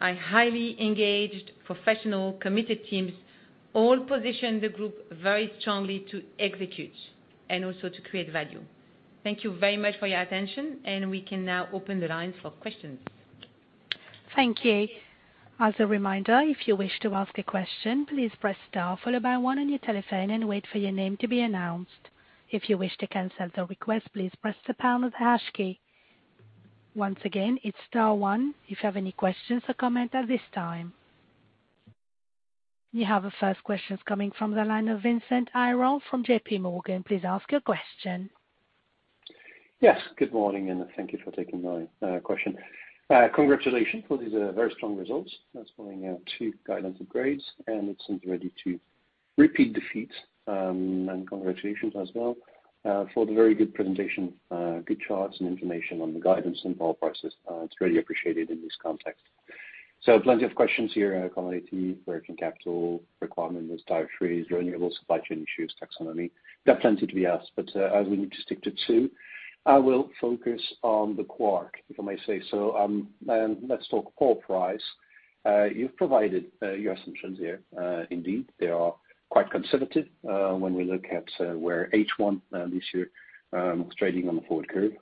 our highly engaged, professional, committed teams all position the group very strongly to execute and also to create value. Thank you very much for your attention, and we can now open the lines for questions. Thank you. As a reminder, if you wish to ask a question, please press star followed by one on your telephone and wait for your name to be announced. If you wish to cancel the request, please press the pound or the hash key. Once again, it's star one. If you have any questions or comments at this time, you have a first question coming from the line of Vincent Ayral from JPMorgan. Please ask your question. Yes. Good morning, and thank you for taking my question. Congratulations for these very strong results. That's pulling out two guidance upgrades, and it seems ready to repeat feat. And congratulations as well for the very good presentation, good charts, and information on the guidance and power prices. It's really appreciated in this context. So plenty of questions here, commodity, working capital, requirements, derivatives, renewable supply chain issues, taxonomy. We have plenty to be asked, but as we need to stick to two, I will focus on the core, if I may say so. And let's talk power price. You've provided your assumptions here. Indeed, they are quite conservative when we look at where H1 this year is trading on the forward curve.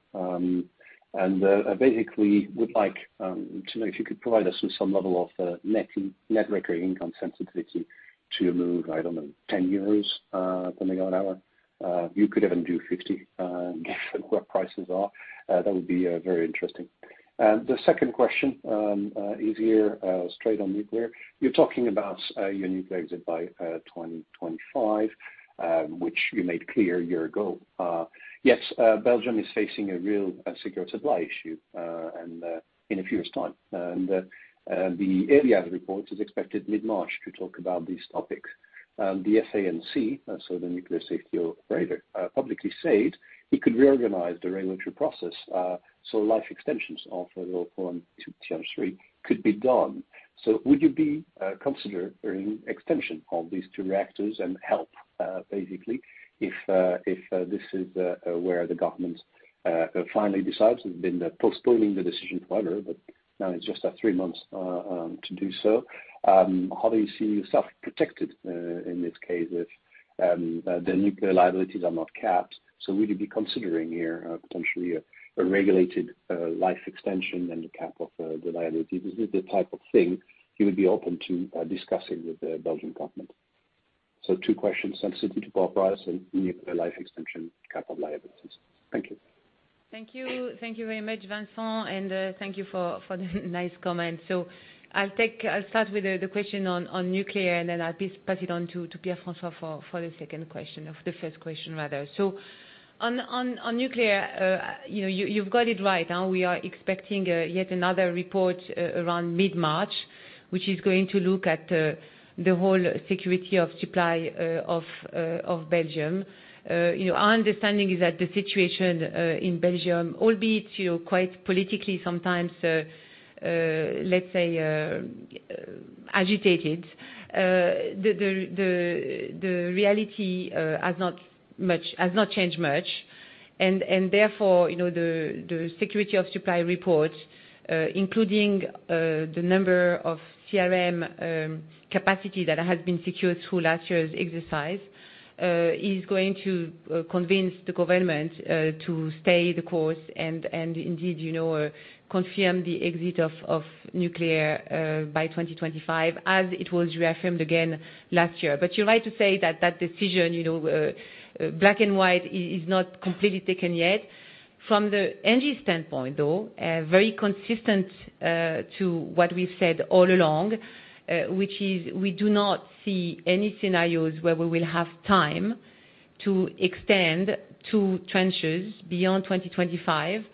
And basically, we'd like to know if you could provide us with some level of net recurring income sensitivity to move, I don't know, 10 euros per megawatt hour. You could even do 50 if the power prices are. That would be very interesting. The second question is here straight on nuclear. You're talking about your nuclear exit by 2025, which you made clear a year ago. Yes, Belgium is facing a real security of supply issue in a few years' time. And the Elia report is expected mid-March to talk about these topics. The FANC, so the nuclear safety operator, publicly said he could reorganize the regulatory process so life extensions of the Doel 4 and Tihange 3 could be done. So would you be considering extension of these two reactors and help, basically, if this is where the government finally decides? It's been postponing the decision forever, but now it's just three months to do so. How do you see yourself protected in this case if the nuclear liabilities are not capped? So would you be considering here potentially a regulated life extension and the cap of the liabilities? Is this the type of thing you would be open to discussing with the Belgian government? So two questions: sensitivity to power price and nuclear life extension cap of liabilities. Thank you. Thank you very much, Vincent, and thank you for the nice comments. So I'll start with the question on nuclear, and then I'll pass it on to Pierre-François for the second question of the first question, rather. So on nuclear, you've got it right. We are expecting yet another report around mid-March, which is going to look at the whole security of supply of Belgium. Our understanding is that the situation in Belgium, albeit quite politically sometimes, let's say, agitated, the reality has not changed much, and therefore, the security of supply report, including the number of CRM capacity that has been secured through last year's exercise, is going to convince the government to stay the course and indeed confirm the exit of nuclear by 2025, as it was reaffirmed again last year. But you're right to say that that decision, black and white, is not completely taken yet. From the ENGIE standpoint, though, very consistent to what we've said all along, which is we do not see any scenarios where we will have time to extend two reactors beyond 2025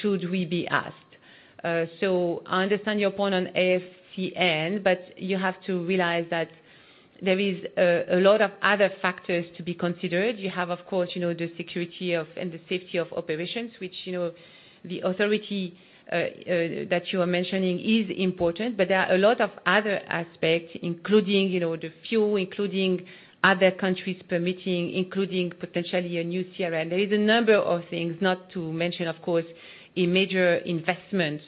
should we be asked. So I understand your point on FANC, but you have to realize that there is a lot of other factors to be considered. You have, of course, the security and the safety of operations, which the authority that you are mentioning is important, but there are a lot of other aspects, including the fuel, including other countries permitting, including potentially a new CRM. There is a number of things, not to mention, of course, a major investment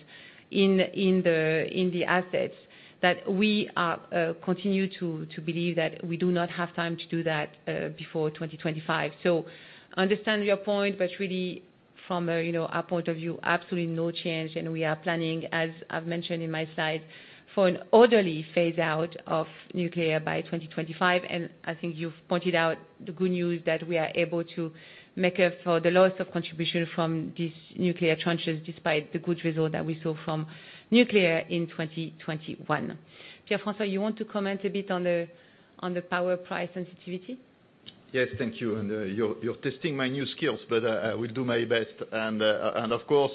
in the assets that we continue to believe that we do not have time to do that before 2025. So I understand your point, but really, from our point of view, absolutely no change. And we are planning, as I've mentioned in my slides, for an orderly phase-out of nuclear by 2025. I think you've pointed out the good news that we are able to make up for the loss of contribution from these nuclear plants despite the good result that we saw from nuclear in 2021. Pierre-François, you want to comment a bit on the power price sensitivity? Yes, thank you. You're testing my new skills, but I will do my best. Of course,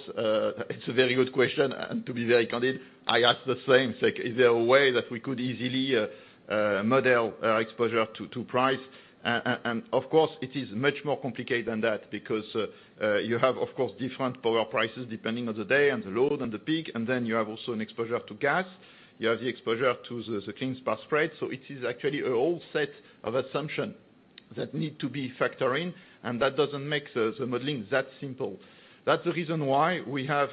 it's a very good question. To be very candid, I ask the same. Is there a way that we could easily model our exposure to price? Of course, it is much more complicated than that because you have, of course, different power prices depending on the day and the load and the peak. Then you have also an exposure to gas. You have the exposure to the clean spark spread. So it is actually a whole set of assumptions that need to be factored in, and that doesn't make the modeling that simple. That's the reason why we have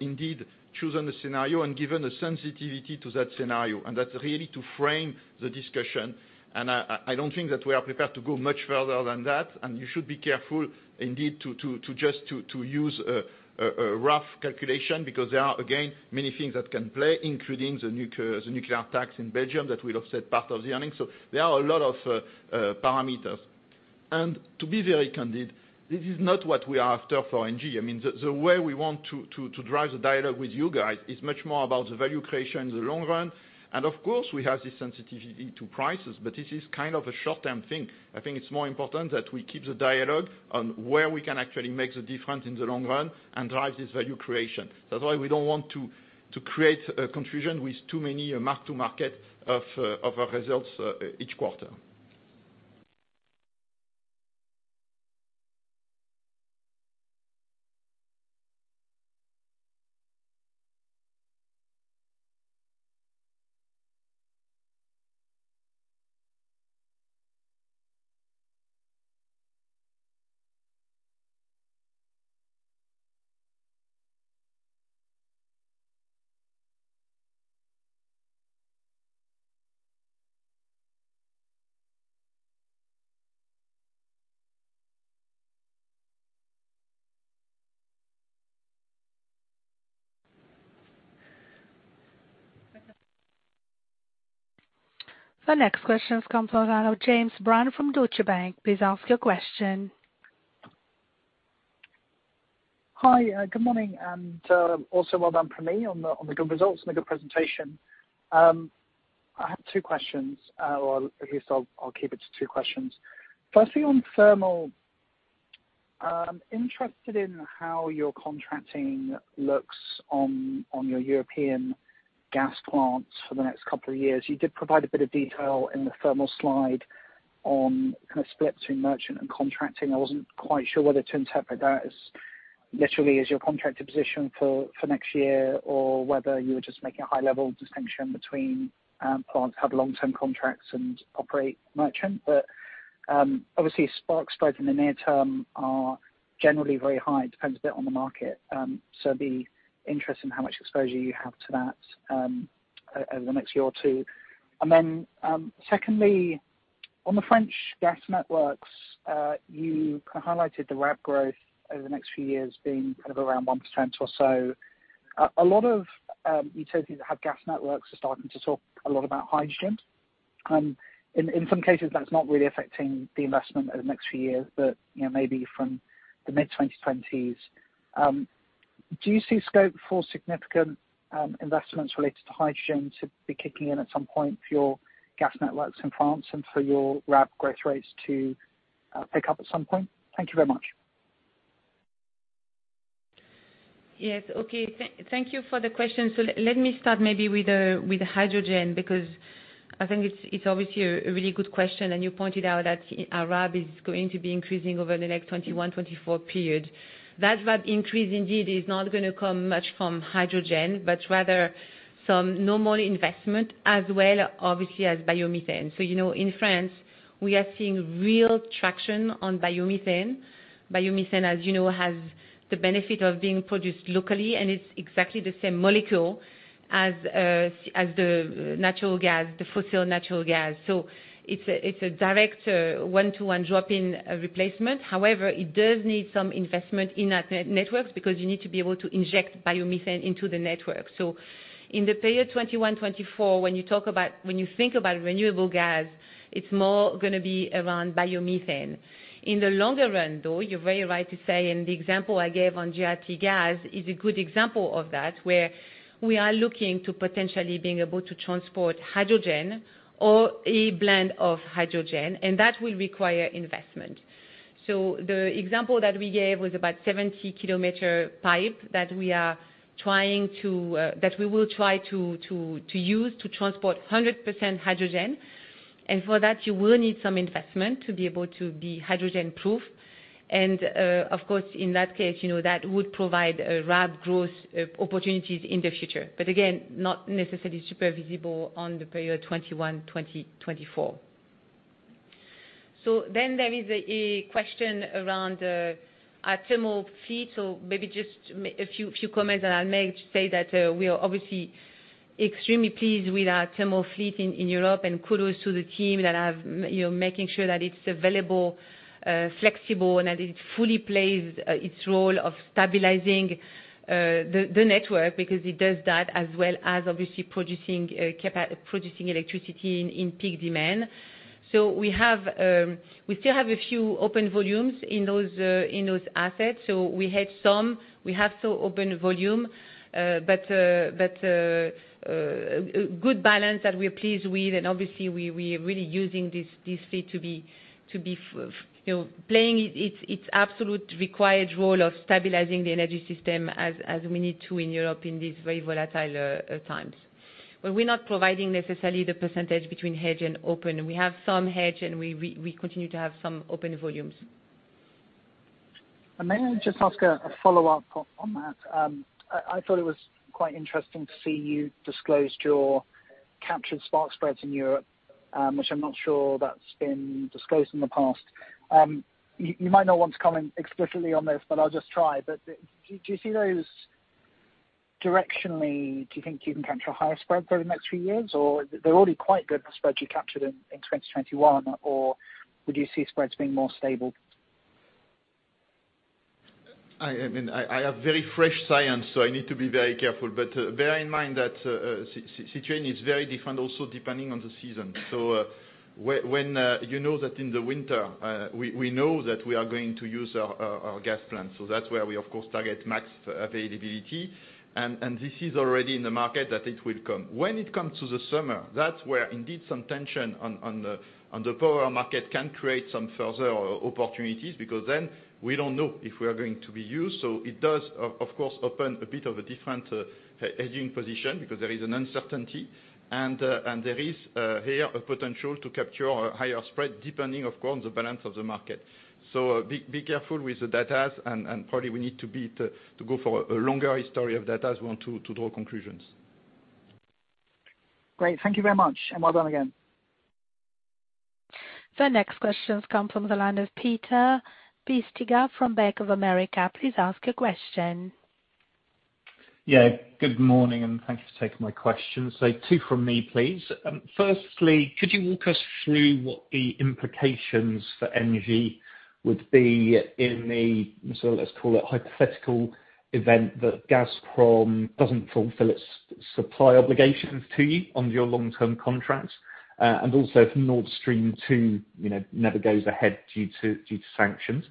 indeed chosen a scenario and given a sensitivity to that scenario. And that's really to frame the discussion. And I don't think that we are prepared to go much further than that. And you should be careful, indeed, to just use a rough calculation because there are, again, many things that can play, including the nuclear tax in Belgium that will offset part of the earnings. So there are a lot of parameters. And to be very candid, this is not what we are after for ENGIE. I mean, the way we want to drive the dialogue with you guys is much more about the value creation in the long run. Of course, we have this sensitivity to prices, but this is kind of a short-term thing. I think it's more important that we keep the dialogue on where we can actually make the difference in the long run and drive this value creation. That's why we don't want to create a confusion with too many mark-to-market of our results each quarter. The next question has come from fellow James Brand from Deutsche Bank. Please ask your question. Hi, good morning, and also well done for me on the good results and the good presentation. I have two questions, or at least I'll keep it to two questions. Firstly, on thermal, I'm interested in how your contracting looks on your European gas plants for the next couple of years. You did provide a bit of detail in the thermal slide on kind of split between merchant and contracting. I wasn't quite sure whether to interpret that as literally as your contracting position for next year or whether you were just making a high-level distinction between plants that have long-term contracts and operate merchant. But obviously, spark spreads in the near term are generally very high. It depends a bit on the market. So I'd be interested in how much exposure you have to that over the next year or two. And then secondly, on the French gas networks, you kind of highlighted the RAB growth over the next few years being kind of around 1% or so. A lot of utilities that have gas networks are starting to talk a lot about hydrogen. In some cases, that's not really affecting the investment over the next few years, but maybe from the mid-2020s. Do you see scope for significant investments related to hydrogen to be kicking in at some point for your gas networks in France and for your RAB growth rates to pick up at some point? Thank you very much. Yes. Okay. Thank you for the question. So let me start maybe with hydrogen because I think it's obviously a really good question. You pointed out that our RAB is going to be increasing over the next 2021-2024 period. That RAB increase, indeed, is not going to come much from hydrogen, but rather some normal investment as well, obviously, as biomethane. So in France, we are seeing real traction on biomethane. Biomethane, as you know, has the benefit of being produced locally, and it's exactly the same molecule as the natural gas, the fossil natural gas. So it's a direct one-to-one drop-in replacement. However, it does need some investment in networks because you need to be able to inject biomethane into the network. So in the period 2021-2024, when you think about renewable gas, it's more going to be around biomethane. In the longer run, though, you're very right to say, and the example I gave on GRTgaz is a good example of that, where we are looking to potentially being able to transport hydrogen or a blend of hydrogen, and that will require investment. So the example that we gave was about a 70 km pipe that we will try to use to transport 100% hydrogen. And for that, you will need some investment to be able to be hydrogen-proof. And of course, in that case, that would provide rapid growth opportunities in the future, but again, not necessarily super visible on the period 2021-2024. So then there is a question around our thermal fleet. So maybe just a few comments, and I'll say that we are obviously extremely pleased with our thermal fleet in Europe and kudos to the team that are making sure that it's available, flexible, and that it fully plays its role of stabilizing the network because it does that as well as obviously producing electricity in peak demand. So we still have a few open volumes in those assets. So we had some. We have some open volume, but a good balance that we're pleased with. And obviously, we are really using this fleet to be playing its absolute required role of stabilizing the energy system as we need to in Europe in these very volatile times. But we're not providing necessarily the percentage between hedge and open. We have some hedge, and we continue to have some open volumes. May I just ask a follow-up on that? I thought it was quite interesting to see you disclosed your captured spark spreads in Europe, which I'm not sure that's been disclosed in the past. You might not want to comment explicitly on this, but I'll just try. But do you see those directionally? Do you think you can capture higher spreads over the next few years, or they're already quite good, the spreads you captured in 2021, or would you see spreads being more stable? I mean, I have very fresh insights, so I need to be very careful. But bear in mind that the situation is very different also depending on the season. So you know that in the winter, we know that we are going to use our gas plants. So that's where we, of course, target max availability. And this is already in the market that it will come. When it comes to the summer, that's where indeed some tension on the power market can create some further opportunities because then we don't know if we are going to be used. So it does, of course, open a bit of a different hedging position because there is an uncertainty, and there is here a potential to capture a higher spread depending, of course, on the balance of the market. So be careful with the data, and probably we need to go for a longer history of data as we want to draw conclusions. Great. Thank you very much, and well done again. The next question has come from the line of Peter Bisztyga from Bank of America. Please ask your question. Yeah. Good morning, and thank you for taking my question. So two from me, please. Firstly, could you walk us through what the implications for ENGIE would be in the, let's call it, hypothetical event that Gazprom doesn't fulfill its supply obligations to you under your long-term contracts? And also, if Nord Stream 2 never goes ahead due to sanctions.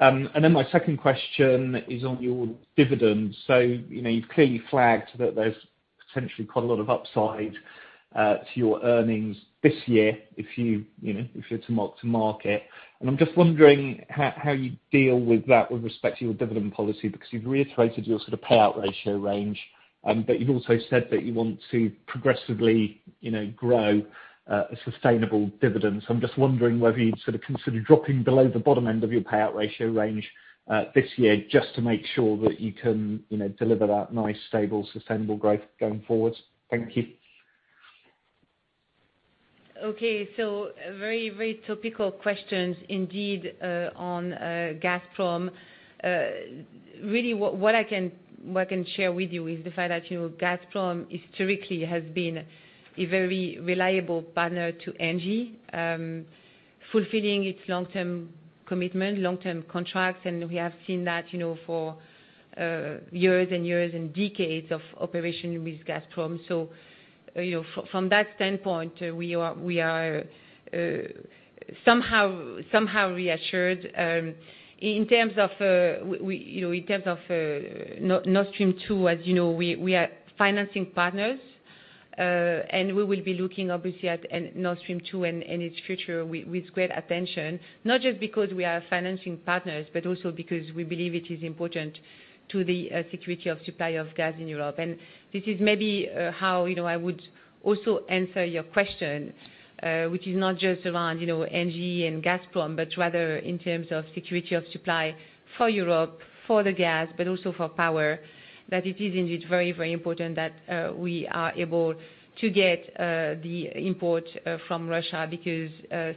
And then my second question is on your dividends. So you've clearly flagged that there's potentially quite a lot of upside to your earnings this year if you're to mark to market. And I'm just wondering how you deal with that with respect to your dividend policy because you've reiterated your sort of payout ratio range, but you've also said that you want to progressively grow a sustainable dividend. So I'm just wondering whether you'd sort of consider dropping below the bottom end of your payout ratio range this year just to make sure that you can deliver that nice, stable, sustainable growth going forward. Thank you. Okay. So very, very topical questions indeed on Gazprom. Really, what I can share with you is the fact that Gazprom historically has been a very reliable partner to ENGIE, fulfilling its long-term commitment, long-term contracts. And we have seen that for years and years and decades of operation with Gazprom. So from that standpoint, we are somehow reassured. In terms of Nord Stream 2, as you know, we are financing partners, and we will be looking, obviously, at Nord Stream 2 and its future with great attention, not just because we are financing partners, but also because we believe it is important to the security of supply of gas in Europe. This is maybe how I would also answer your question, which is not just around ENGIE and Gazprom, but rather in terms of security of supply for Europe, for the gas, but also for power, that it is indeed very, very important that we are able to get the import from Russia because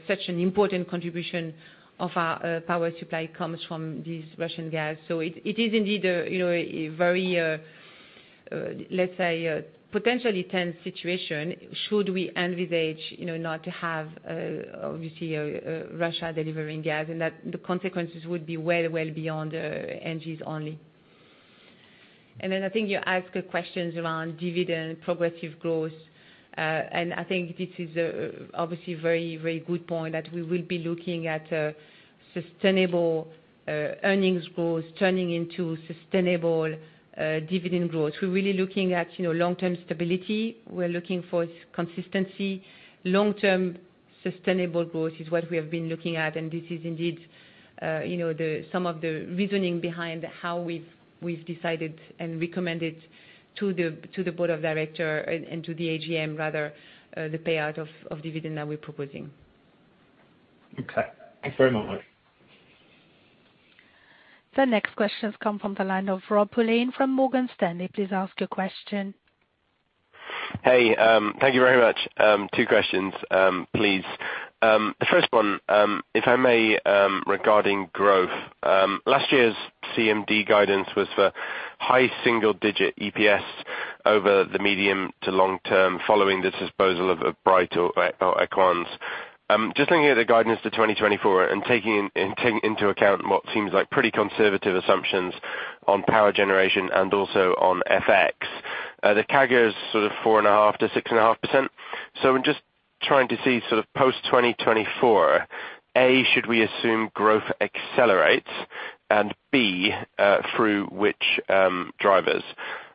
such an important contribution of our power supply comes from this Russian gas. It is indeed a very, let's say, potentially tense situation should we envisage not to have, obviously, Russia delivering gas, and that the consequences would be well, well beyond NG's only. I think you asked questions around dividend, progressive growth. I think this is obviously a very, very good point that we will be looking at sustainable earnings growth turning into sustainable dividend growth. We're really looking at long-term stability. We're looking for consistency. Long-term sustainable growth is what we have been looking at, and this is indeed some of the reasoning behind how we've decided and recommended to the board of directors and to the AGM, rather, the payout of dividend that we're proposing. Okay. Thanks very much. The next question has come from the line of Rob Poulton from Morgan Stanley. Please ask your question. Hey. Thank you very much. Two questions, please. The first one, if I may, regarding growth. Last year's CMD guidance was for high single-digit EPS over the medium to long term following the disposal of Bright or Equans. Just looking at the guidance for 2024 and taking into account what seems like pretty conservative assumptions on power generation and also on FX, the CAGR is sort of 4.5%-6.5% So I'm just trying to see sort of post-2024, A, should we assume growth accelerates, and B, through which drivers?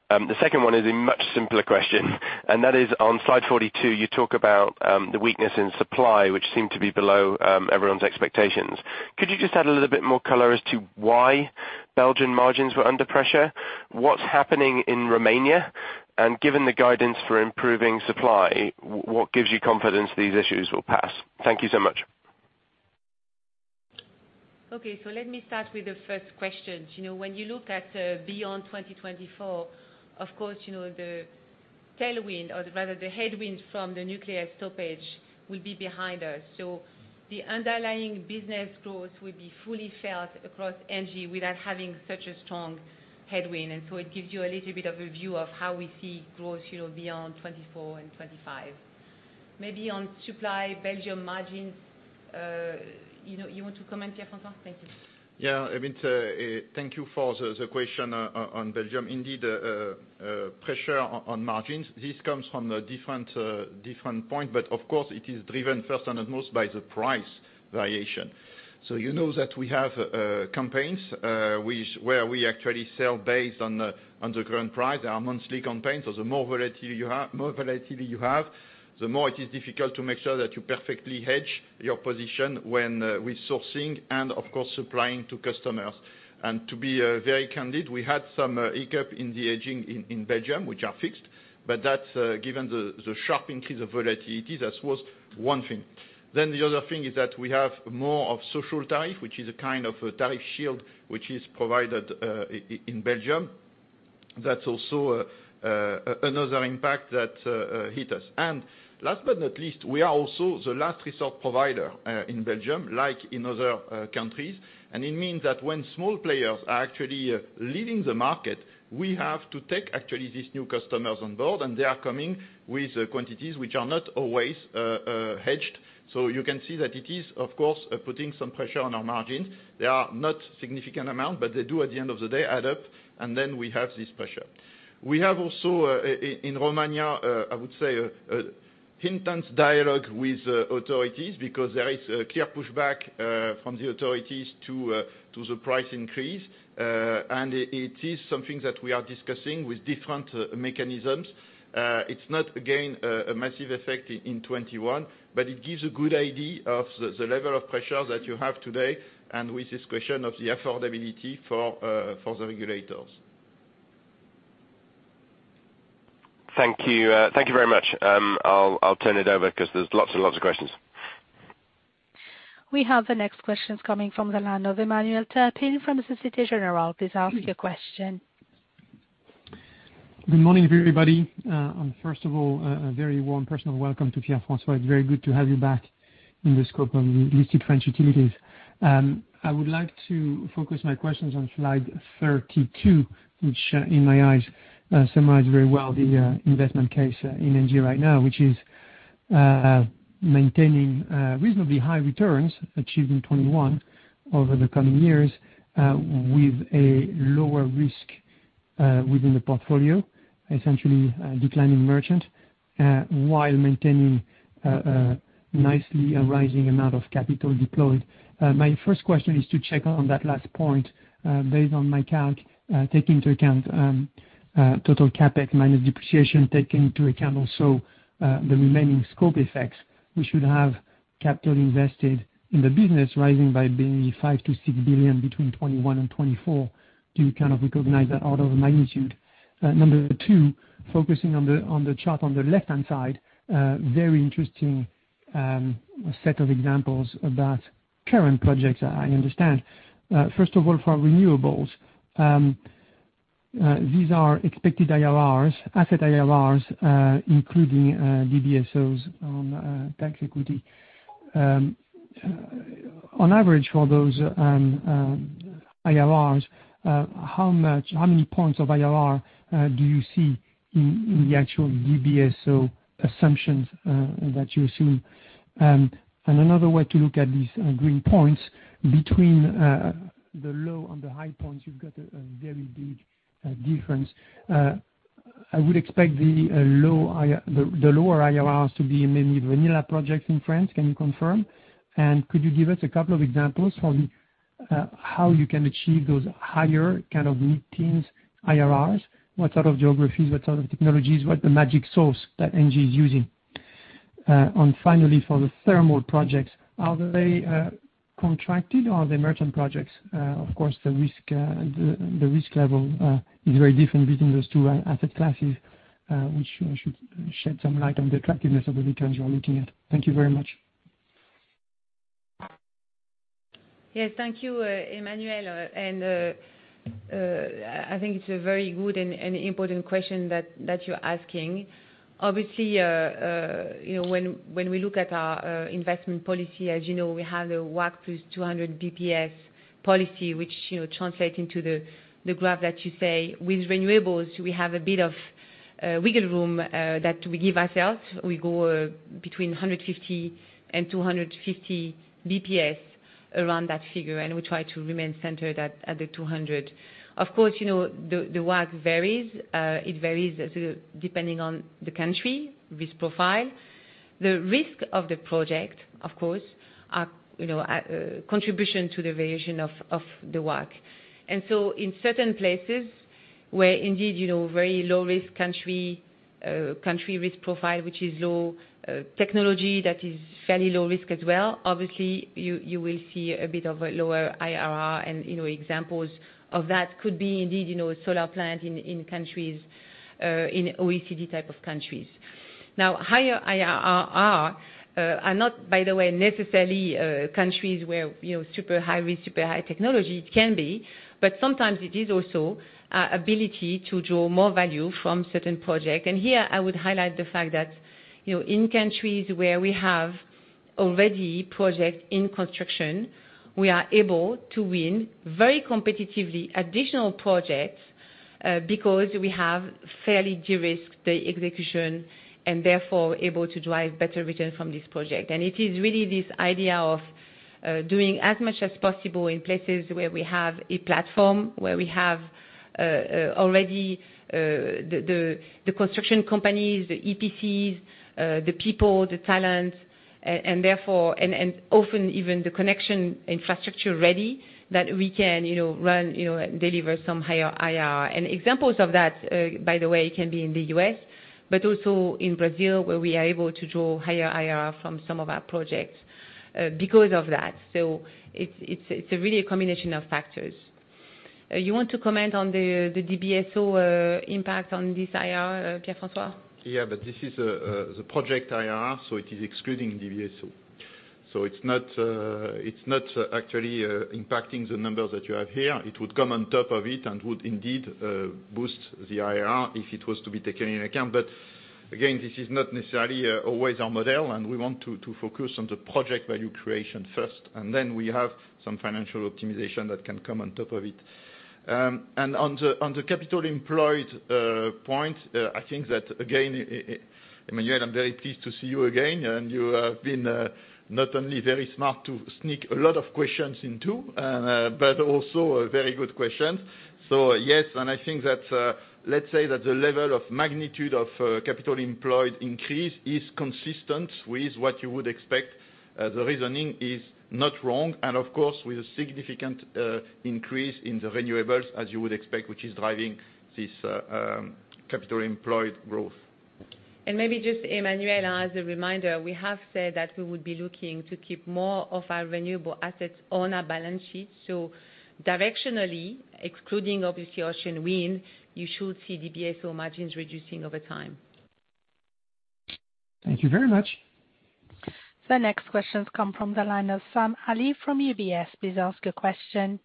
The second one is a much simpler question, and that is on Slide 42, you talk about the weakness in supply, which seemed to be below everyone's expectations. Could you just add a little bit more color as to why Belgian margins were under pressure? What's happening in Romania, and given the guidance for improving supply, what gives you confidence these issues will pass? Thank you so much. Okay. So let me start with the first question. When you look at beyond 2024, of course, the tailwind, or rather the headwind from the nuclear stoppage, will be behind us. So the underlying business growth will be fully felt across ENGIE without having such a strong headwind. And so it gives you a little bit of a view of how we see growth beyond 2024 and 2025. Maybe on supply, Belgium margins, you want to comment here for us? Thank you. Yeah. I mean, thank you for the question on Belgium. Indeed, pressure on margins. This comes from different points, but of course, it is driven first and most by the price variation. So you know that we have campaigns where we actually sell based on the current price. There are monthly campaigns. So the more volatility you have, the more it is difficult to make sure that you perfectly hedge your position when we're sourcing and, of course, supplying to customers. And to be very candid, we had some hiccups in the hedging in Belgium, which are fixed, but that's given the sharp increase of volatility. That was one thing. The other thing is that we have more of a social tariff, which is a kind of a tariff shield, which is provided in Belgium. That's also another impact that hit us. Last but not least, we are also the last resort provider in Belgium, like in other countries. It means that when small players are actually leaving the market, we have to take actually these new customers on board, and they are coming with quantities which are not always hedged. So you can see that it is, of course, putting some pressure on our margins. They are not a significant amount, but they do, at the end of the day, add up, and then we have this pressure. We have also in Romania, I would say, intense dialogue with authorities because there is a clear pushback from the authorities to the price increase. It is something that we are discussing with different mechanisms. It's not, again, a massive effect in 2021, but it gives a good idea of the level of pressure that you have today and with this question of the affordability for the regulators. Thank you. Thank you very much. I'll turn it over because there's lots and lots of questions. We have the next question coming from the line of Emmanuel Turpin from Société Générale. Please ask your question. Good morning, everybody. First of all, a very warm personal welcome to Pierre-François. It's very good to have you back in the scope of listed French utilities. I would like to focus my questions on slide 32, which in my eyes summarizes very well the investment case in ENGIE right now, which is maintaining reasonably high returns achieved in 2021 over the coming years with a lower risk within the portfolio, essentially declining merchant, while maintaining a nicely rising amount of capital deployed. My first question is to check on that last point. Based on my calc, taking into account total CapEx minus depreciation, taking into account also the remaining scope effects, we should have capital invested in the business rising by maybe EUR 5billion-6 billion between 2021 and 2024. Do you kind of recognize that order of magnitude? Number two, focusing on the chart on the left-hand side, very interesting set of examples about current projects, I understand. First of all, for renewables, these are expected IRRs, asset IRRs, including DBSOs on tax equity. On average, for those IRRs, how many points of IRR do you see in the actual DBSO assumptions that you assume? And another way to look at these green points, between the low and the high points, you've got a very big difference. I would expect the lower IRRs to be mainly vanilla projects in France. Can you confirm? And could you give us a couple of examples for how you can achieve those higher kind of mid-teens IRRs? What sort of geographies, what sort of technologies, what's the magic sauce that ENGIE is using? And finally, for the thermal projects, are they contracted or are they merchant projects? Of course, the risk level is very different between those two asset classes, which should shed some light on the attractiveness of the returns you are looking at. Thank you very much. Yes. Thank you, Emmanuel. I think it's a very good and important question that you're asking. Obviously, when we look at our investment policy, as you know, we have the WACC plus 200 basis points policy, which translates into the graph that you say. With renewables, we have a bit of wiggle room that we give ourselves. We go between 150 and 250 basis points around that figure, and we try to remain centered at the 200. Of course, the WACC varies. It varies depending on the country risk profile. The risk of the project, of course, contributes to the variation of the WACC. And so in certain places where indeed very low-risk country risk profile, which is low, technology that is fairly low risk as well, obviously, you will see a bit of a lower IRR, and examples of that could be indeed solar plant in OECD type of countries. Now, higher IRR are not, by the way, necessarily countries where super high risk, super high technology. It can be, but sometimes it is also an ability to draw more value from certain projects. And here, I would highlight the fact that in countries where we have already projects in construction, we are able to win very competitively additional projects because we have fairly de-risked the execution and therefore able to drive better returns from this project. And it is really this idea of doing as much as possible in places where we have a platform, where we have already the construction companies, the EPCs, the people, the talent, and often even the connection infrastructure ready that we can run and deliver some higher IRR. Examples of that, by the way, can be in the U.S., but also in Brazil, where we are able to draw higher IRR from some of our projects because of that. So it's really a combination of factors. You want to comment on the DBSO impact on this IRR, Pierre-François? Yeah, but this is a project IRR, so it is excluding DBSO. So it's not actually impacting the numbers that you have here. It would come on top of it and would indeed boost the IRR if it was to be taken into account. But again, this is not necessarily always our model, and we want to focus on the project value creation first, and then we have some financial optimization that can come on top of it. On the capital employed point, I think that, again, Emmanuel, I'm very pleased to see you again, and you have been not only very smart to sneak a lot of questions into, but also very good questions. So yes, and I think that let's say that the level of magnitude of capital employed increase is consistent with what you would expect. The reasoning is not wrong. And of course, with a significant increase in the renewables, as you would expect, which is driving this capital employed growth. And maybe just, Emmanuel, as a reminder, we have said that we would be looking to keep more of our renewable assets on our balance sheet. So directionally, excluding obviously Ocean Winds, you should see DBSO margins reducing over time. Thank you very much. The next questions come from the line of Sam Arie from UBS. Please ask a question.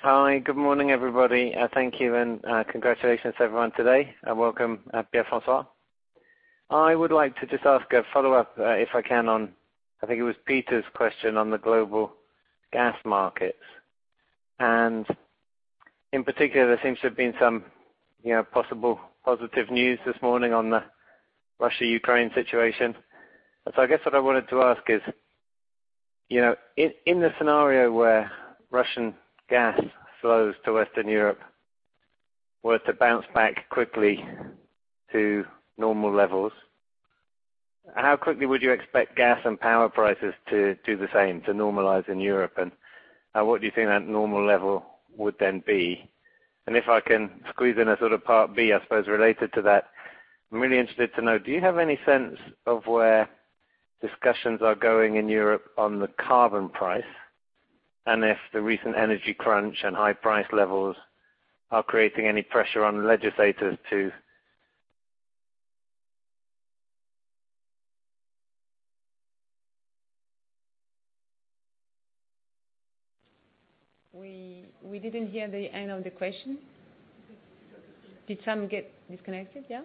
Hi. Good morning, everybody. Thank you, and congratulations to everyone today. Welcome, Pierre-François. I would like to just ask a follow-up, if I can, on I think it was Peter's question on the global gas markets. And in particular, there seems to have been some possible positive news this morning on the Russia-Ukraine situation. So I guess what I wanted to ask is, in the scenario where Russian gas flows to Western Europe were to bounce back quickly to normal levels, how quickly would you expect gas and power prices to do the same, to normalize in Europe? And what do you think that normal level would then be? If I can squeeze in a sort of part B, I suppose, related to that, I'm really interested to know, do you have any sense of where discussions are going in Europe on the carbon price and if the recent energy crunch and high price levels are creating any pressure on legislators to? We didn't hear the end of the question. Did Sam get disconnected? Yeah?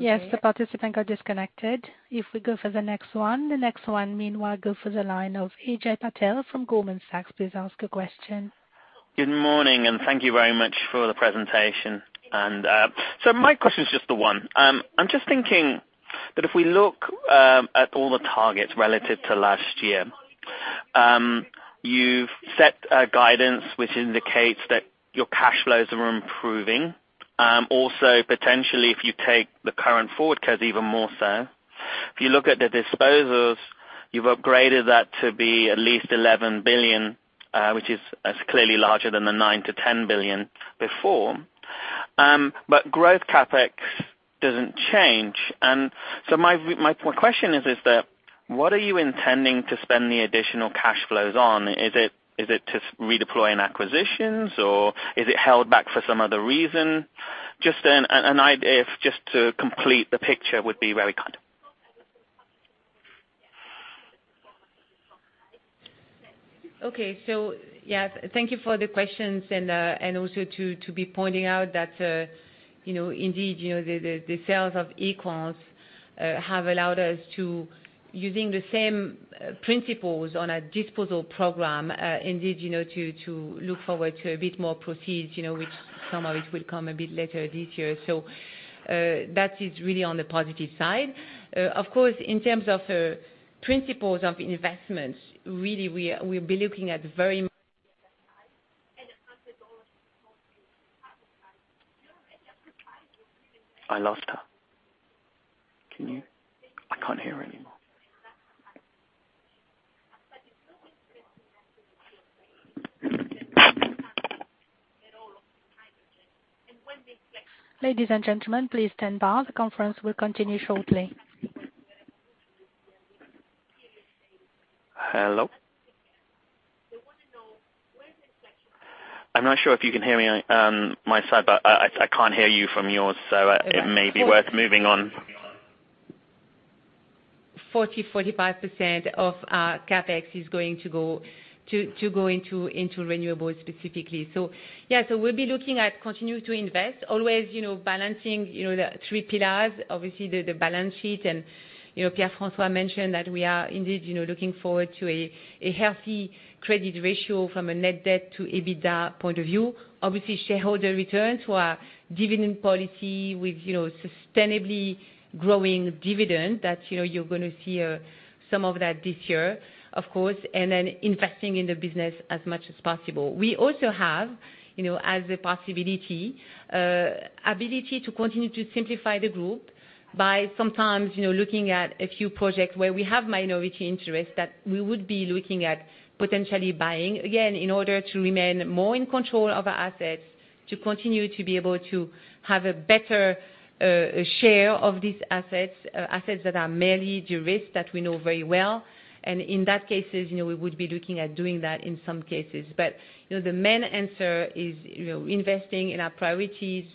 Yes, the participants got disconnected. If we go for the next one, meanwhile, go for the line of Ajay Patel from Goldman Sachs. Please ask a question. Good morning, and thank you very much for the presentation. And so my question is just the one. I'm just thinking that if we look at all the targets relative to last year, you've set guidance which indicates that your cash flows are improving. Also, potentially, if you take the current forward curve even more so, if you look at the disposals, you've upgraded that to be at least 11 billion, which is clearly larger than the 9billion-10 billion before. But growth capex doesn't change. And so my question is, is that what are you intending to spend the additional cash flows on? Is it to redeploy in acquisitions, or is it held back for some other reason? Just an idea just to complete the picture would be very kind. Okay. So yeah, thank you for the questions and also to be pointing out that indeed the sales of Equans have allowed us to, using the same principles on a disposal program, indeed to look forward to a bit more proceeds, which some of it will come a bit later this year. So that is really on the positive side. Of course, in terms of investment principles, really, we'll be looking at 40%-45% of our CapEx going to go into renewables specifically. So yeah, so we'll be looking at continuing to invest, always balancing the three pillars, obviously the balance sheet. Pierre-François mentioned that we are indeed looking forward to a healthy credit ratio from a net debt to EBITDA point of view. Obviously, shareholder returns, our dividend policy with sustainably growing dividend that you're going to see some of that this year, of course, and then investing in the business as much as possible. We also have, as a possibility, the ability to continue to simplify the group by sometimes looking at a few projects where we have minority interests that we would be looking at potentially buying, again, in order to remain more in control of our assets, to continue to be able to have a better share of these assets, assets that are merely de-risked that we know very well. In that case, we would be looking at doing that in some cases. The main answer is investing in our priorities,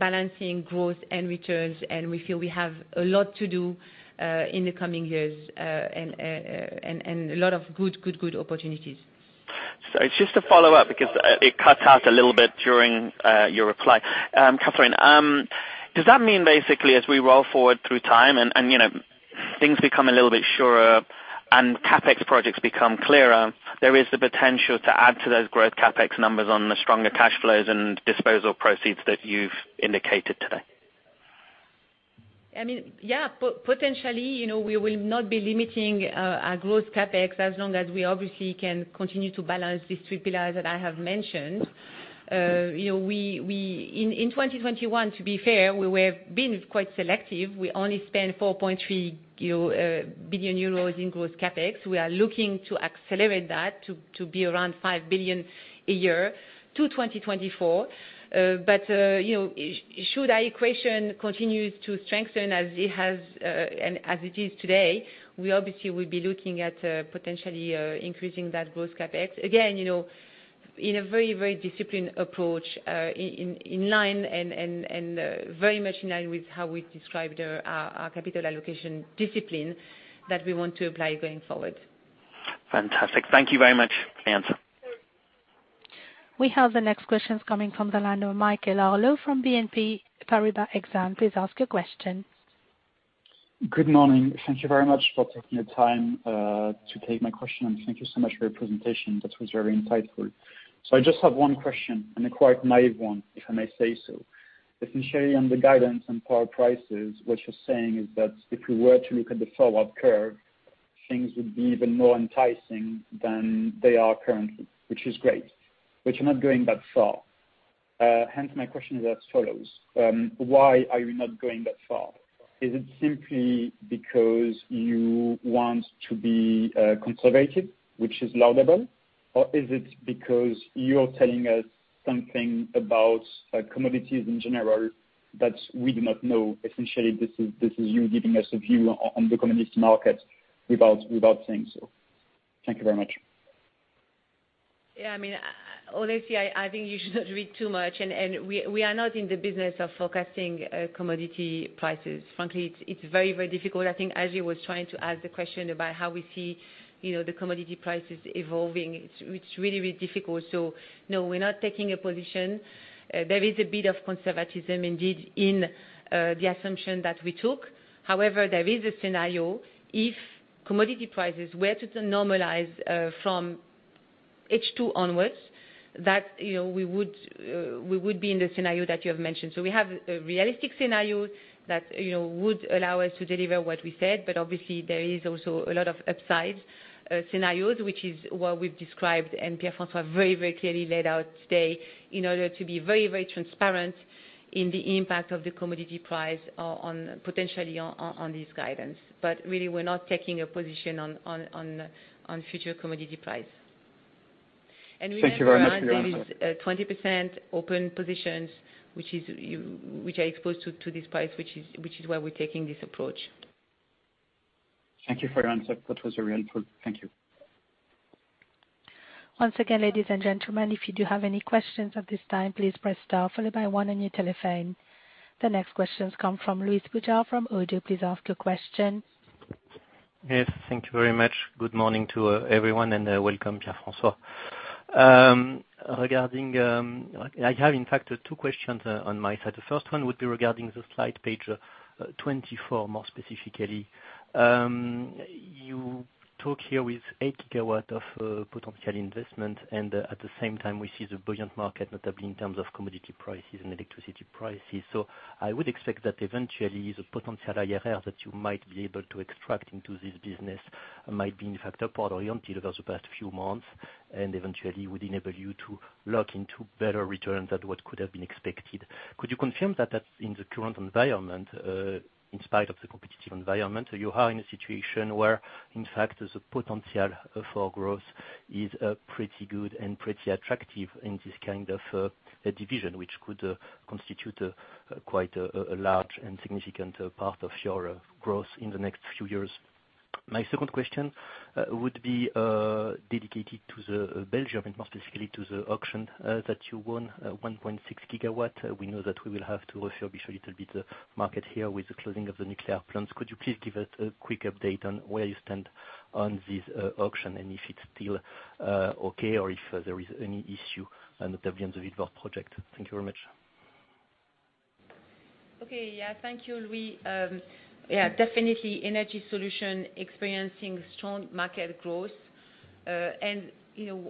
balancing growth and returns, and we feel we have a lot to do in the coming years and a lot of good, good, good opportunities. It's just a follow-up because it cuts out a little bit during your reply. Catherine, does that mean basically as we roll forward through time and things become a little bit surer and CapEx projects become clearer, there is the potential to add to those growth CapEx numbers on the stronger cash flows and disposal proceeds that you've indicated today? I mean, yeah, potentially, we will not be limiting our growth CapEx as long as we obviously can continue to balance these three pillars that I have mentioned. In 2021, to be fair, we have been quite selective. We only spent 4.3 billion euro in growth CapEx. We are looking to accelerate that to be around 5 billion a year to 2024. But should our equation continue to strengthen as it has and as it is today, we obviously will be looking at potentially increasing that growth CapEx. Again, in a very, very disciplined approach in line and very much in line with how we describe our capital allocation discipline that we want to apply going forward. Fantastic. Thank you very much for the answer. We have the next questions coming from the line of Michael Harlow from BNP Paribas Exane. Please ask your question. Good morning. Thank you very much for taking the time to take my question, and thank you so much for your presentation. That was very insightful. So I just have one question, and a quite naive one, if I may say so. Essentially, on the guidance and power prices, what you're saying is that if we were to look at the forward curve, things would be even more enticing than they are currently, which is great, but you're not going that far. Hence, my question is as follows: why are you not going that far? Is it simply because you want to be conservative, which is laudable, or is it because you're telling us something about commodities in general that we do not know? Essentially, this is you giving us a view on the commodity market without saying so. Thank you very much. Yeah. I mean, honestly, I think you should not read too much, and we are not in the business of forecasting commodity prices. Frankly, it's very, very difficult. I think Ajay was trying to ask the question about how we see the commodity prices evolving. It's really, really difficult. So no, we're not taking a position. There is a bit of conservatism indeed in the assumption that we took. However, there is a scenario if commodity prices were to normalize from H2 onwards, that we would be in the scenario that you have mentioned, so we have a realistic scenario that would allow us to deliver what we said, but obviously, there is also a lot of upside scenarios, which is what we've described, and Pierre-François very, very clearly laid out today in order to be very, very transparent in the impact of the commodity price potentially on this guidance, but really, we're not taking a position on future commodity price, and we have a 20%. Thank you very much for your answer. Open positions, which are exposed to this price, which is why we're taking this approach. Thank you for your answer. That was very helpful. Thank you. Once again, ladies and gentlemen, if you do have any questions at this time, please press star followed by one on your telephone. The next questions come from Louis Boujard from Oddo. Please ask your question. Yes. Thank you very much. Good morning to everyone, and welcome, Pierre-François. I have, in fact, two questions on my side. The first one would be regarding the slide Page 24, more specifically. You talk here with eight gigawatts of potential investment, and at the same time, we see the buoyant market, notably in terms of commodity prices and electricity prices. So I would expect that eventually, the potential IRR that you might be able to extract into this business might be, in fact, upward oriented over the past few months and eventually would enable you to lock into better returns than what could have been expected. Could you confirm that in the current environment, in spite of the competitive environment, you are in a situation where, in fact, the potential for growth is pretty good and pretty attractive in this kind of division, which could constitute quite a large and significant part of your growth in the next few years? My second question would be dedicated to Belgium, and more specifically to the auction that you won 1.6 gigawatts. We know that we will have to refurbish a little bit the market here with the closing of the nuclear plants. Could you please give us a quick update on where you stand on this auction and if it's still okay or if there is any issue, notably on the Vilvoorde project? Thank you very much. Okay. Yeah. Thank you, Louis. Yeah. Definitely, energy solution experiencing strong market growth. And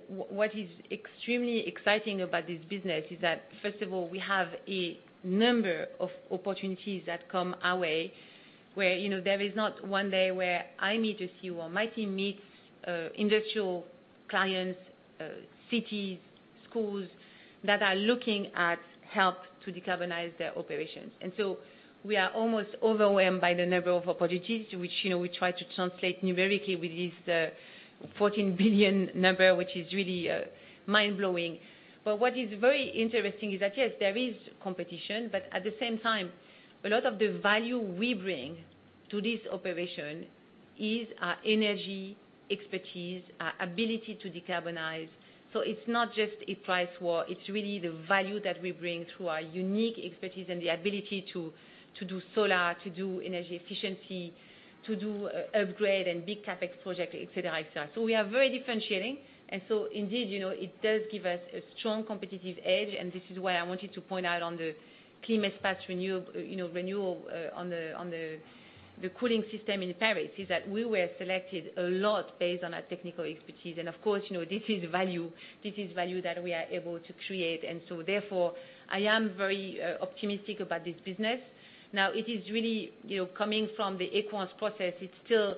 what is extremely exciting about this business is that, first of all, we have a number of opportunities that come our way where there is not one day where I meet a CEO or my team meets industrial clients, cities, schools that are looking at help to decarbonize their operations. And so we are almost overwhelmed by the number of opportunities, which we try to translate numerically with this 14 billion number, which is really mind-blowing. But what is very interesting is that, yes, there is competition, but at the same time, a lot of the value we bring to this operation is our energy expertise, our ability to decarbonize. So it's not just a price war. It's really the value that we bring through our unique expertise and the ability to do solar, to do energy efficiency, to do upgrade and big CapEx project, etc., etc. We are very differentiating. Indeed, it does give us a strong competitive edge, and this is why I wanted to point out on the ClimeSpace renewal on the cooling system in Paris is that we were selected a lot based on our technical expertise. Of course, this is value that we are able to create. Therefore, I am very optimistic about this business. Now, it is really coming from the Equans process. It's still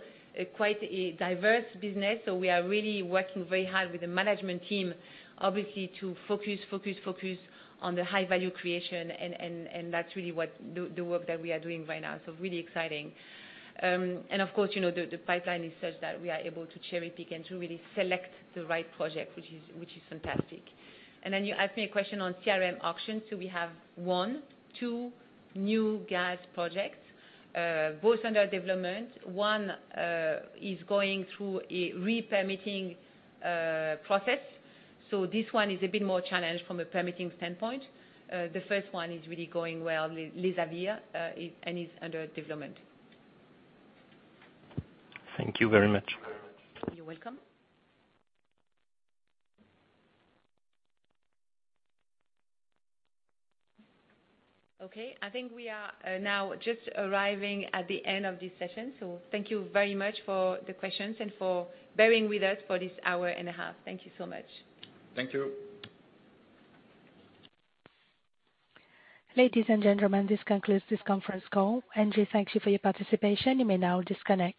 quite a diverse business, so we are really working very hard with the management team, obviously, to focus, focus, focus on the high-value creation, and that's really the work that we are doing right now. Really exciting. Of course, the pipeline is such that we are able to cherry-pick and to really select the right project, which is fantastic. And then you asked me a question on CRM auctions. So we have one, two new gas projects, both under development. One is going through a re-permitting process. So this one is a bit more challenged from a permitting standpoint. The first one is really going well, Les Awirs, and it's under development. Thank you very much. You're welcome. Okay. I think we are now just arriving at the end of this session. So thank you very much for the questions and for bearing with us for this hour and a half. Thank you so much. Thank you. Ladies and gentlemen, this concludes this conference call. ENGIE, thank you for your participation. You may now disconnect.